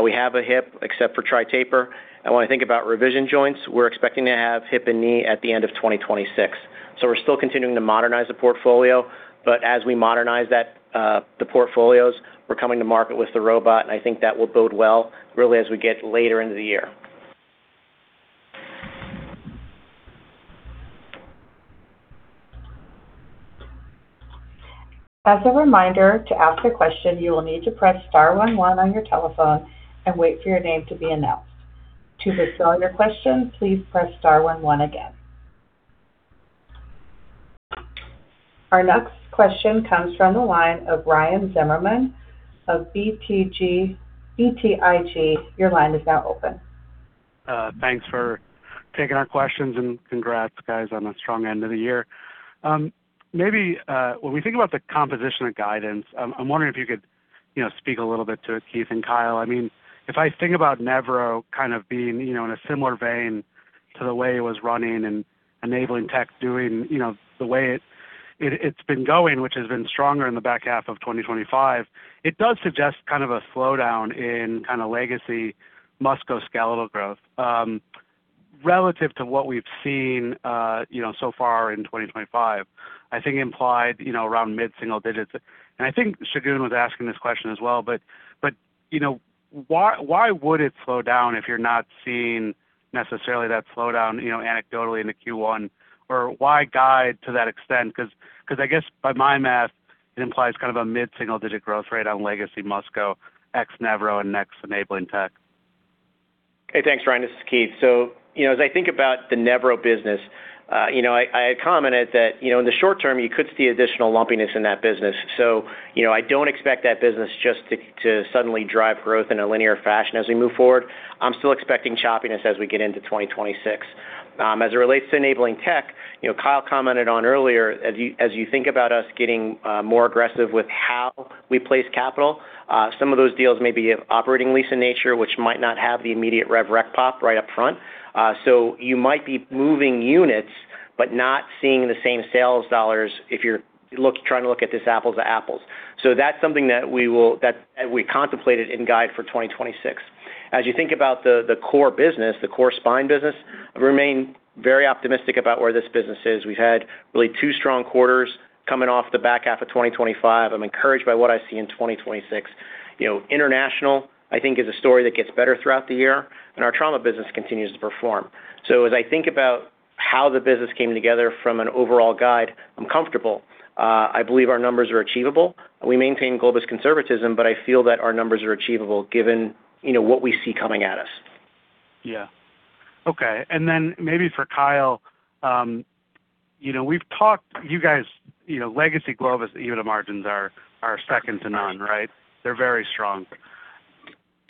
We have a hip, except for Tri-Taper. When I think about revision joints, we're expecting to have hip and knee at the end of 2026. We're still continuing to modernize the portfolio, but as we modernize that, the portfolios, we're coming to market with the robot, and I think that will bode well really, as we get later into the year. As a reminder, to ask a question, you will need to press star one one on your telephone and wait for your name to be announced. To withdraw your question, please press star one one again. Our next question comes from the line of Ryan Zimmerman of BTIG. Your line is now open. Thanks for taking our questions. Congrats, guys, on a strong end of the year. Maybe, when we think about the composition of guidance, I'm wondering if you could, you know, speak a little bit to it, Keith and Kyle. If I think about Nevro kind of being, you know, in a similar vein to the way it was running and enabling tech, doing, you know, the way it's been going, which has been stronger in the back half of 2025, it does suggest kind of a slowdown in kind of legacy Musculoskeletal growth. Relative to what we've seen, you know, so far in 2025, I think implied, you know, around mid-single digits. I think Shagun was asking this question as well, but, you know, why would it slow down if you're not seeing necessarily that slowdown, you know, anecdotally in the Q1? Why guide to that extent? Because I guess by my math, it implies kind of a mid-single-digit growth rate on legacy Musco, ex Nevro and next enabling tech. Hey, thanks, Ryan. This is Keith. You know, as I think about the Nevro business, you know, I commented that, you know, in the short term, you could see additional lumpiness in that business. You know, I don't expect that business just to suddenly drive growth in a linear fashion as we move forward. I'm still expecting choppiness as we get into 2026. As it relates to enabling tech, you know, Kyle commented on earlier, as you think about us getting more aggressive with how we place capital, some of those deals may be of operating lease in nature, which might not have the immediate RevRec pop right up front. You might be moving units, but not seeing the same sales dollars if you're trying to look at this apples-to-apples. That's something that we will, that we contemplated in guide for 2026. As you think about the core business, the core spine business, I remain very optimistic about where this business is. We've had really two strong quarters coming off the back half of 2025. I'm encouraged by what I see in 2026. You know, international, I think, is a story that gets better throughout the year, and our trauma business continues to perform. As I think about how the business came together from an overall guide, I'm comfortable. I believe our numbers are achievable. We maintain Globus conservatism, but I feel that our numbers are achievable given, you know, what we see coming at us. Okay, and then maybe for Kyle, you know, we've talked, you guys, you know, legacy Globus EBITDA margins are second to none, right? They're very strong.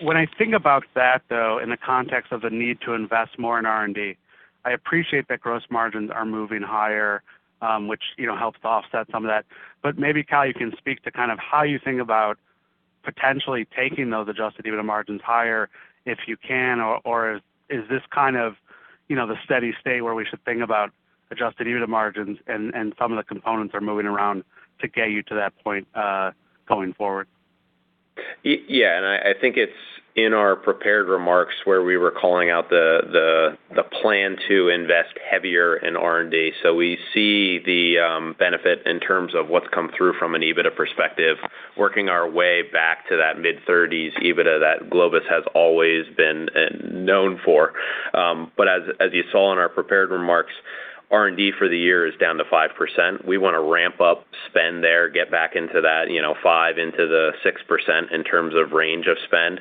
When I think about that, though, in the context of the need to invest more in R&D, I appreciate that gross margins are moving higher, which, you know, helps to offset some of that. Maybe, Kyle, you can speak to kind of how you think about potentially taking those adjusted EBITDA margins higher if you can, or is this kind of, you know, the steady state where we should think about adjusted EBITDA margins and some of the components are moving around to get you to that point, going forward? Yeah, I think it's in our prepared remarks where we were calling out the plan to invest heavier in R&D. We see the benefit in terms of what's come through from an EBITDA perspective, working our way back to that mid-30s EBITDA that Globus has always been known for. As you saw in our prepared remarks, R&D for the year is down to 5%. We want to ramp up spend there, get back into that, you know, 5% into the 6% in terms of range of spend.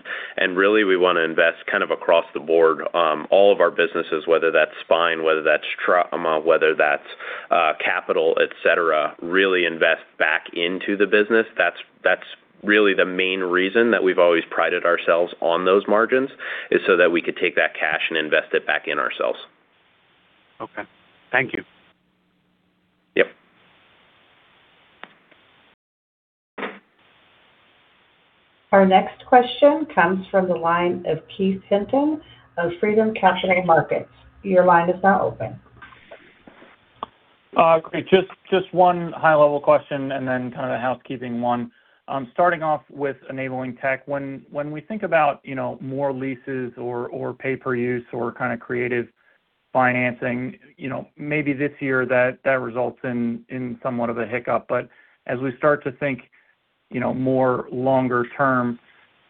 Really, we want to invest kind of across the board, all of our businesses, whether that's spine, whether that's trauma, whether that's capital, et cetera, really invest back into the business. That's really the main reason that we've always prided ourselves on those margins, is so that we could take that cash and invest it back in ourselves. Okay. Thank you. Yep. Our next question comes from the line of Keith Hinton of Freedom Capital Markets. Your line is now open. Great. Just one high-level question and then kind of a housekeeping one. Starting off with enabling tech, when we think about, you know, more leases or pay-per-use or kinda creative financing, you know, maybe this year that results in somewhat of a hiccup. As we start to think, you know, more longer term,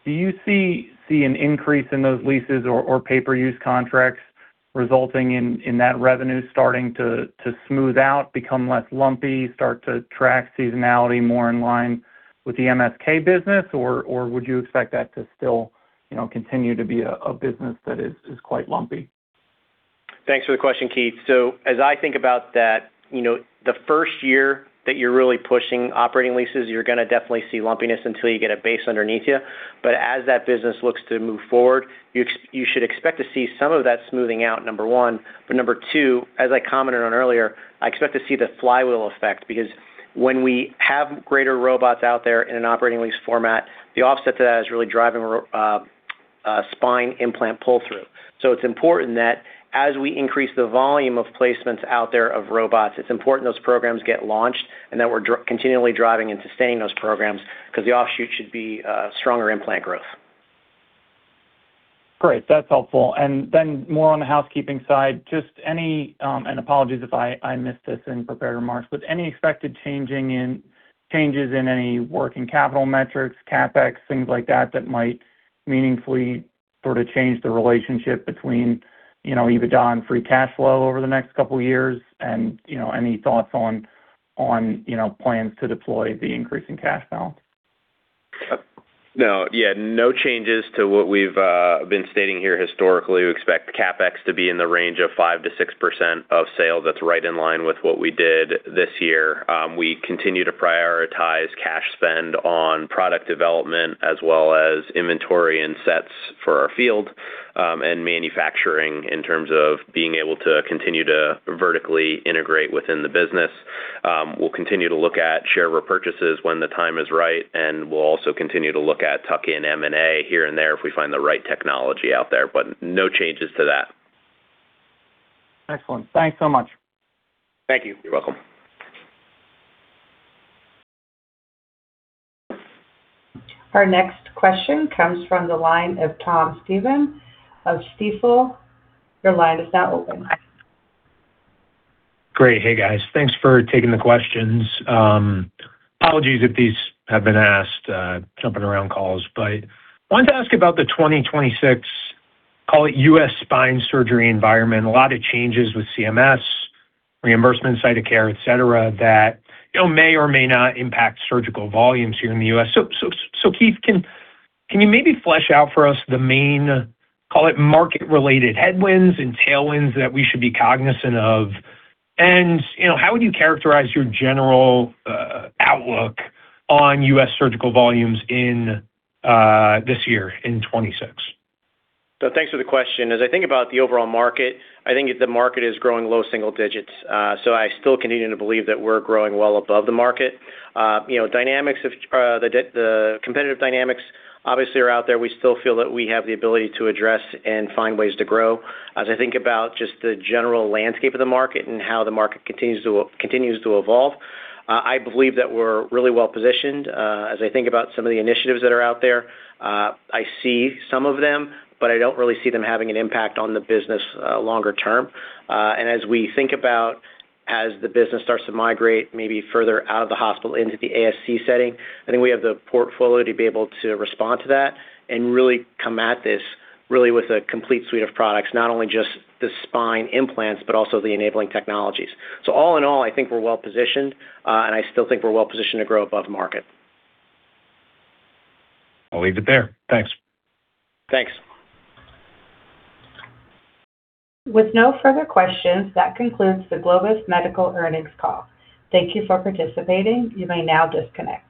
do you see an increase in those leases or pay-per-use contracts resulting in that revenue starting to smooth out, become less lumpy, start to track seasonality more in line with the MSK business, or would you expect that to still, you know, continue to be a business that is quite lumpy? Thanks for the question, Keith. As I think about that, you know, the first year that you're really pushing operating leases, you're gonna definitely see lumpiness until you get a base underneath you. As that business looks to move forward, you should expect to see some of that smoothing out, number one. Number two, as I commented on earlier, I expect to see the flywheel effect, because when we have greater robots out there in an operating lease format, the offset to that is really driving spine implant pull-through. It's important that as we increase the volume of placements out there of robots, it's important those programs get launched and that we're continually driving and sustaining those programs because the offshoot should be stronger implant growth. Great, that's helpful. More on the housekeeping side, just any, and apologies if I missed this in prepared remarks, but any expected changes in any working capital metrics, CapEx, things like that might meaningfully sort of change the relationship between, you know, EBITDA and free cash flow over the next couple of years? You know, any thoughts on, you know, plans to deploy the increasing cash balance? No. Yeah, no changes to what we've been stating here historically. We expect CapEx to be in the range of 5%-6% of sale. That's right in line with what we did this year. We continue to prioritize cash spend on product development, as well as inventory and sets for our field, and manufacturing in terms of being able to continue to vertically integrate within the business. We'll continue to look at share repurchases when the time is right, and we'll also continue to look at tuck-in M&A here and there if we find the right technology out there, but no changes to that. Excellent. Thanks so much. Thank you. You're welcome. Our next question comes from the line of Thomas Stephan of Stifel. Your line is now open. Great. Hey, guys. Thanks for taking the questions. Apologies if these have been asked, jumping around calls, but I wanted to ask about the 2026, call it, U.S. spine surgery environment. A lot of changes with CMS, reimbursement, site of care, et cetera, that, you know, may or may not impact surgical volumes here in the U.S. Keith, can you maybe flesh out for us the main, call it, market-related headwinds and tailwinds that we should be cognizant of? And, you know, how would you characterize your general, outlook on U.S. surgical volumes in this year, in 2026? Thanks for the question. As I think about the overall market, I think the market is growing low single digits. I still continue to believe that we're growing well above the market. You know, dynamics of the competitive dynamics obviously are out there. We still feel that we have the ability to address and find ways to grow. As I think about just the general landscape of the market and how the market continues to evolve, I believe that we're really well positioned. As I think about some of the initiatives that are out there, I see some of them, but I don't really see them having an impact on the business longer term. As we think about as the business starts to migrate maybe further out of the hospital into the ASC setting, I think we have the portfolio to be able to respond to that and really come at this really with a complete suite of products, not only just the spine implants, but also the enabling technologies. All in all, I think we're well positioned, and I still think we're well positioned to grow above market. I'll leave it there. Thanks. Thanks. With no further questions, that concludes the Globus Medical earnings call. Thank you for participating. You may now disconnect.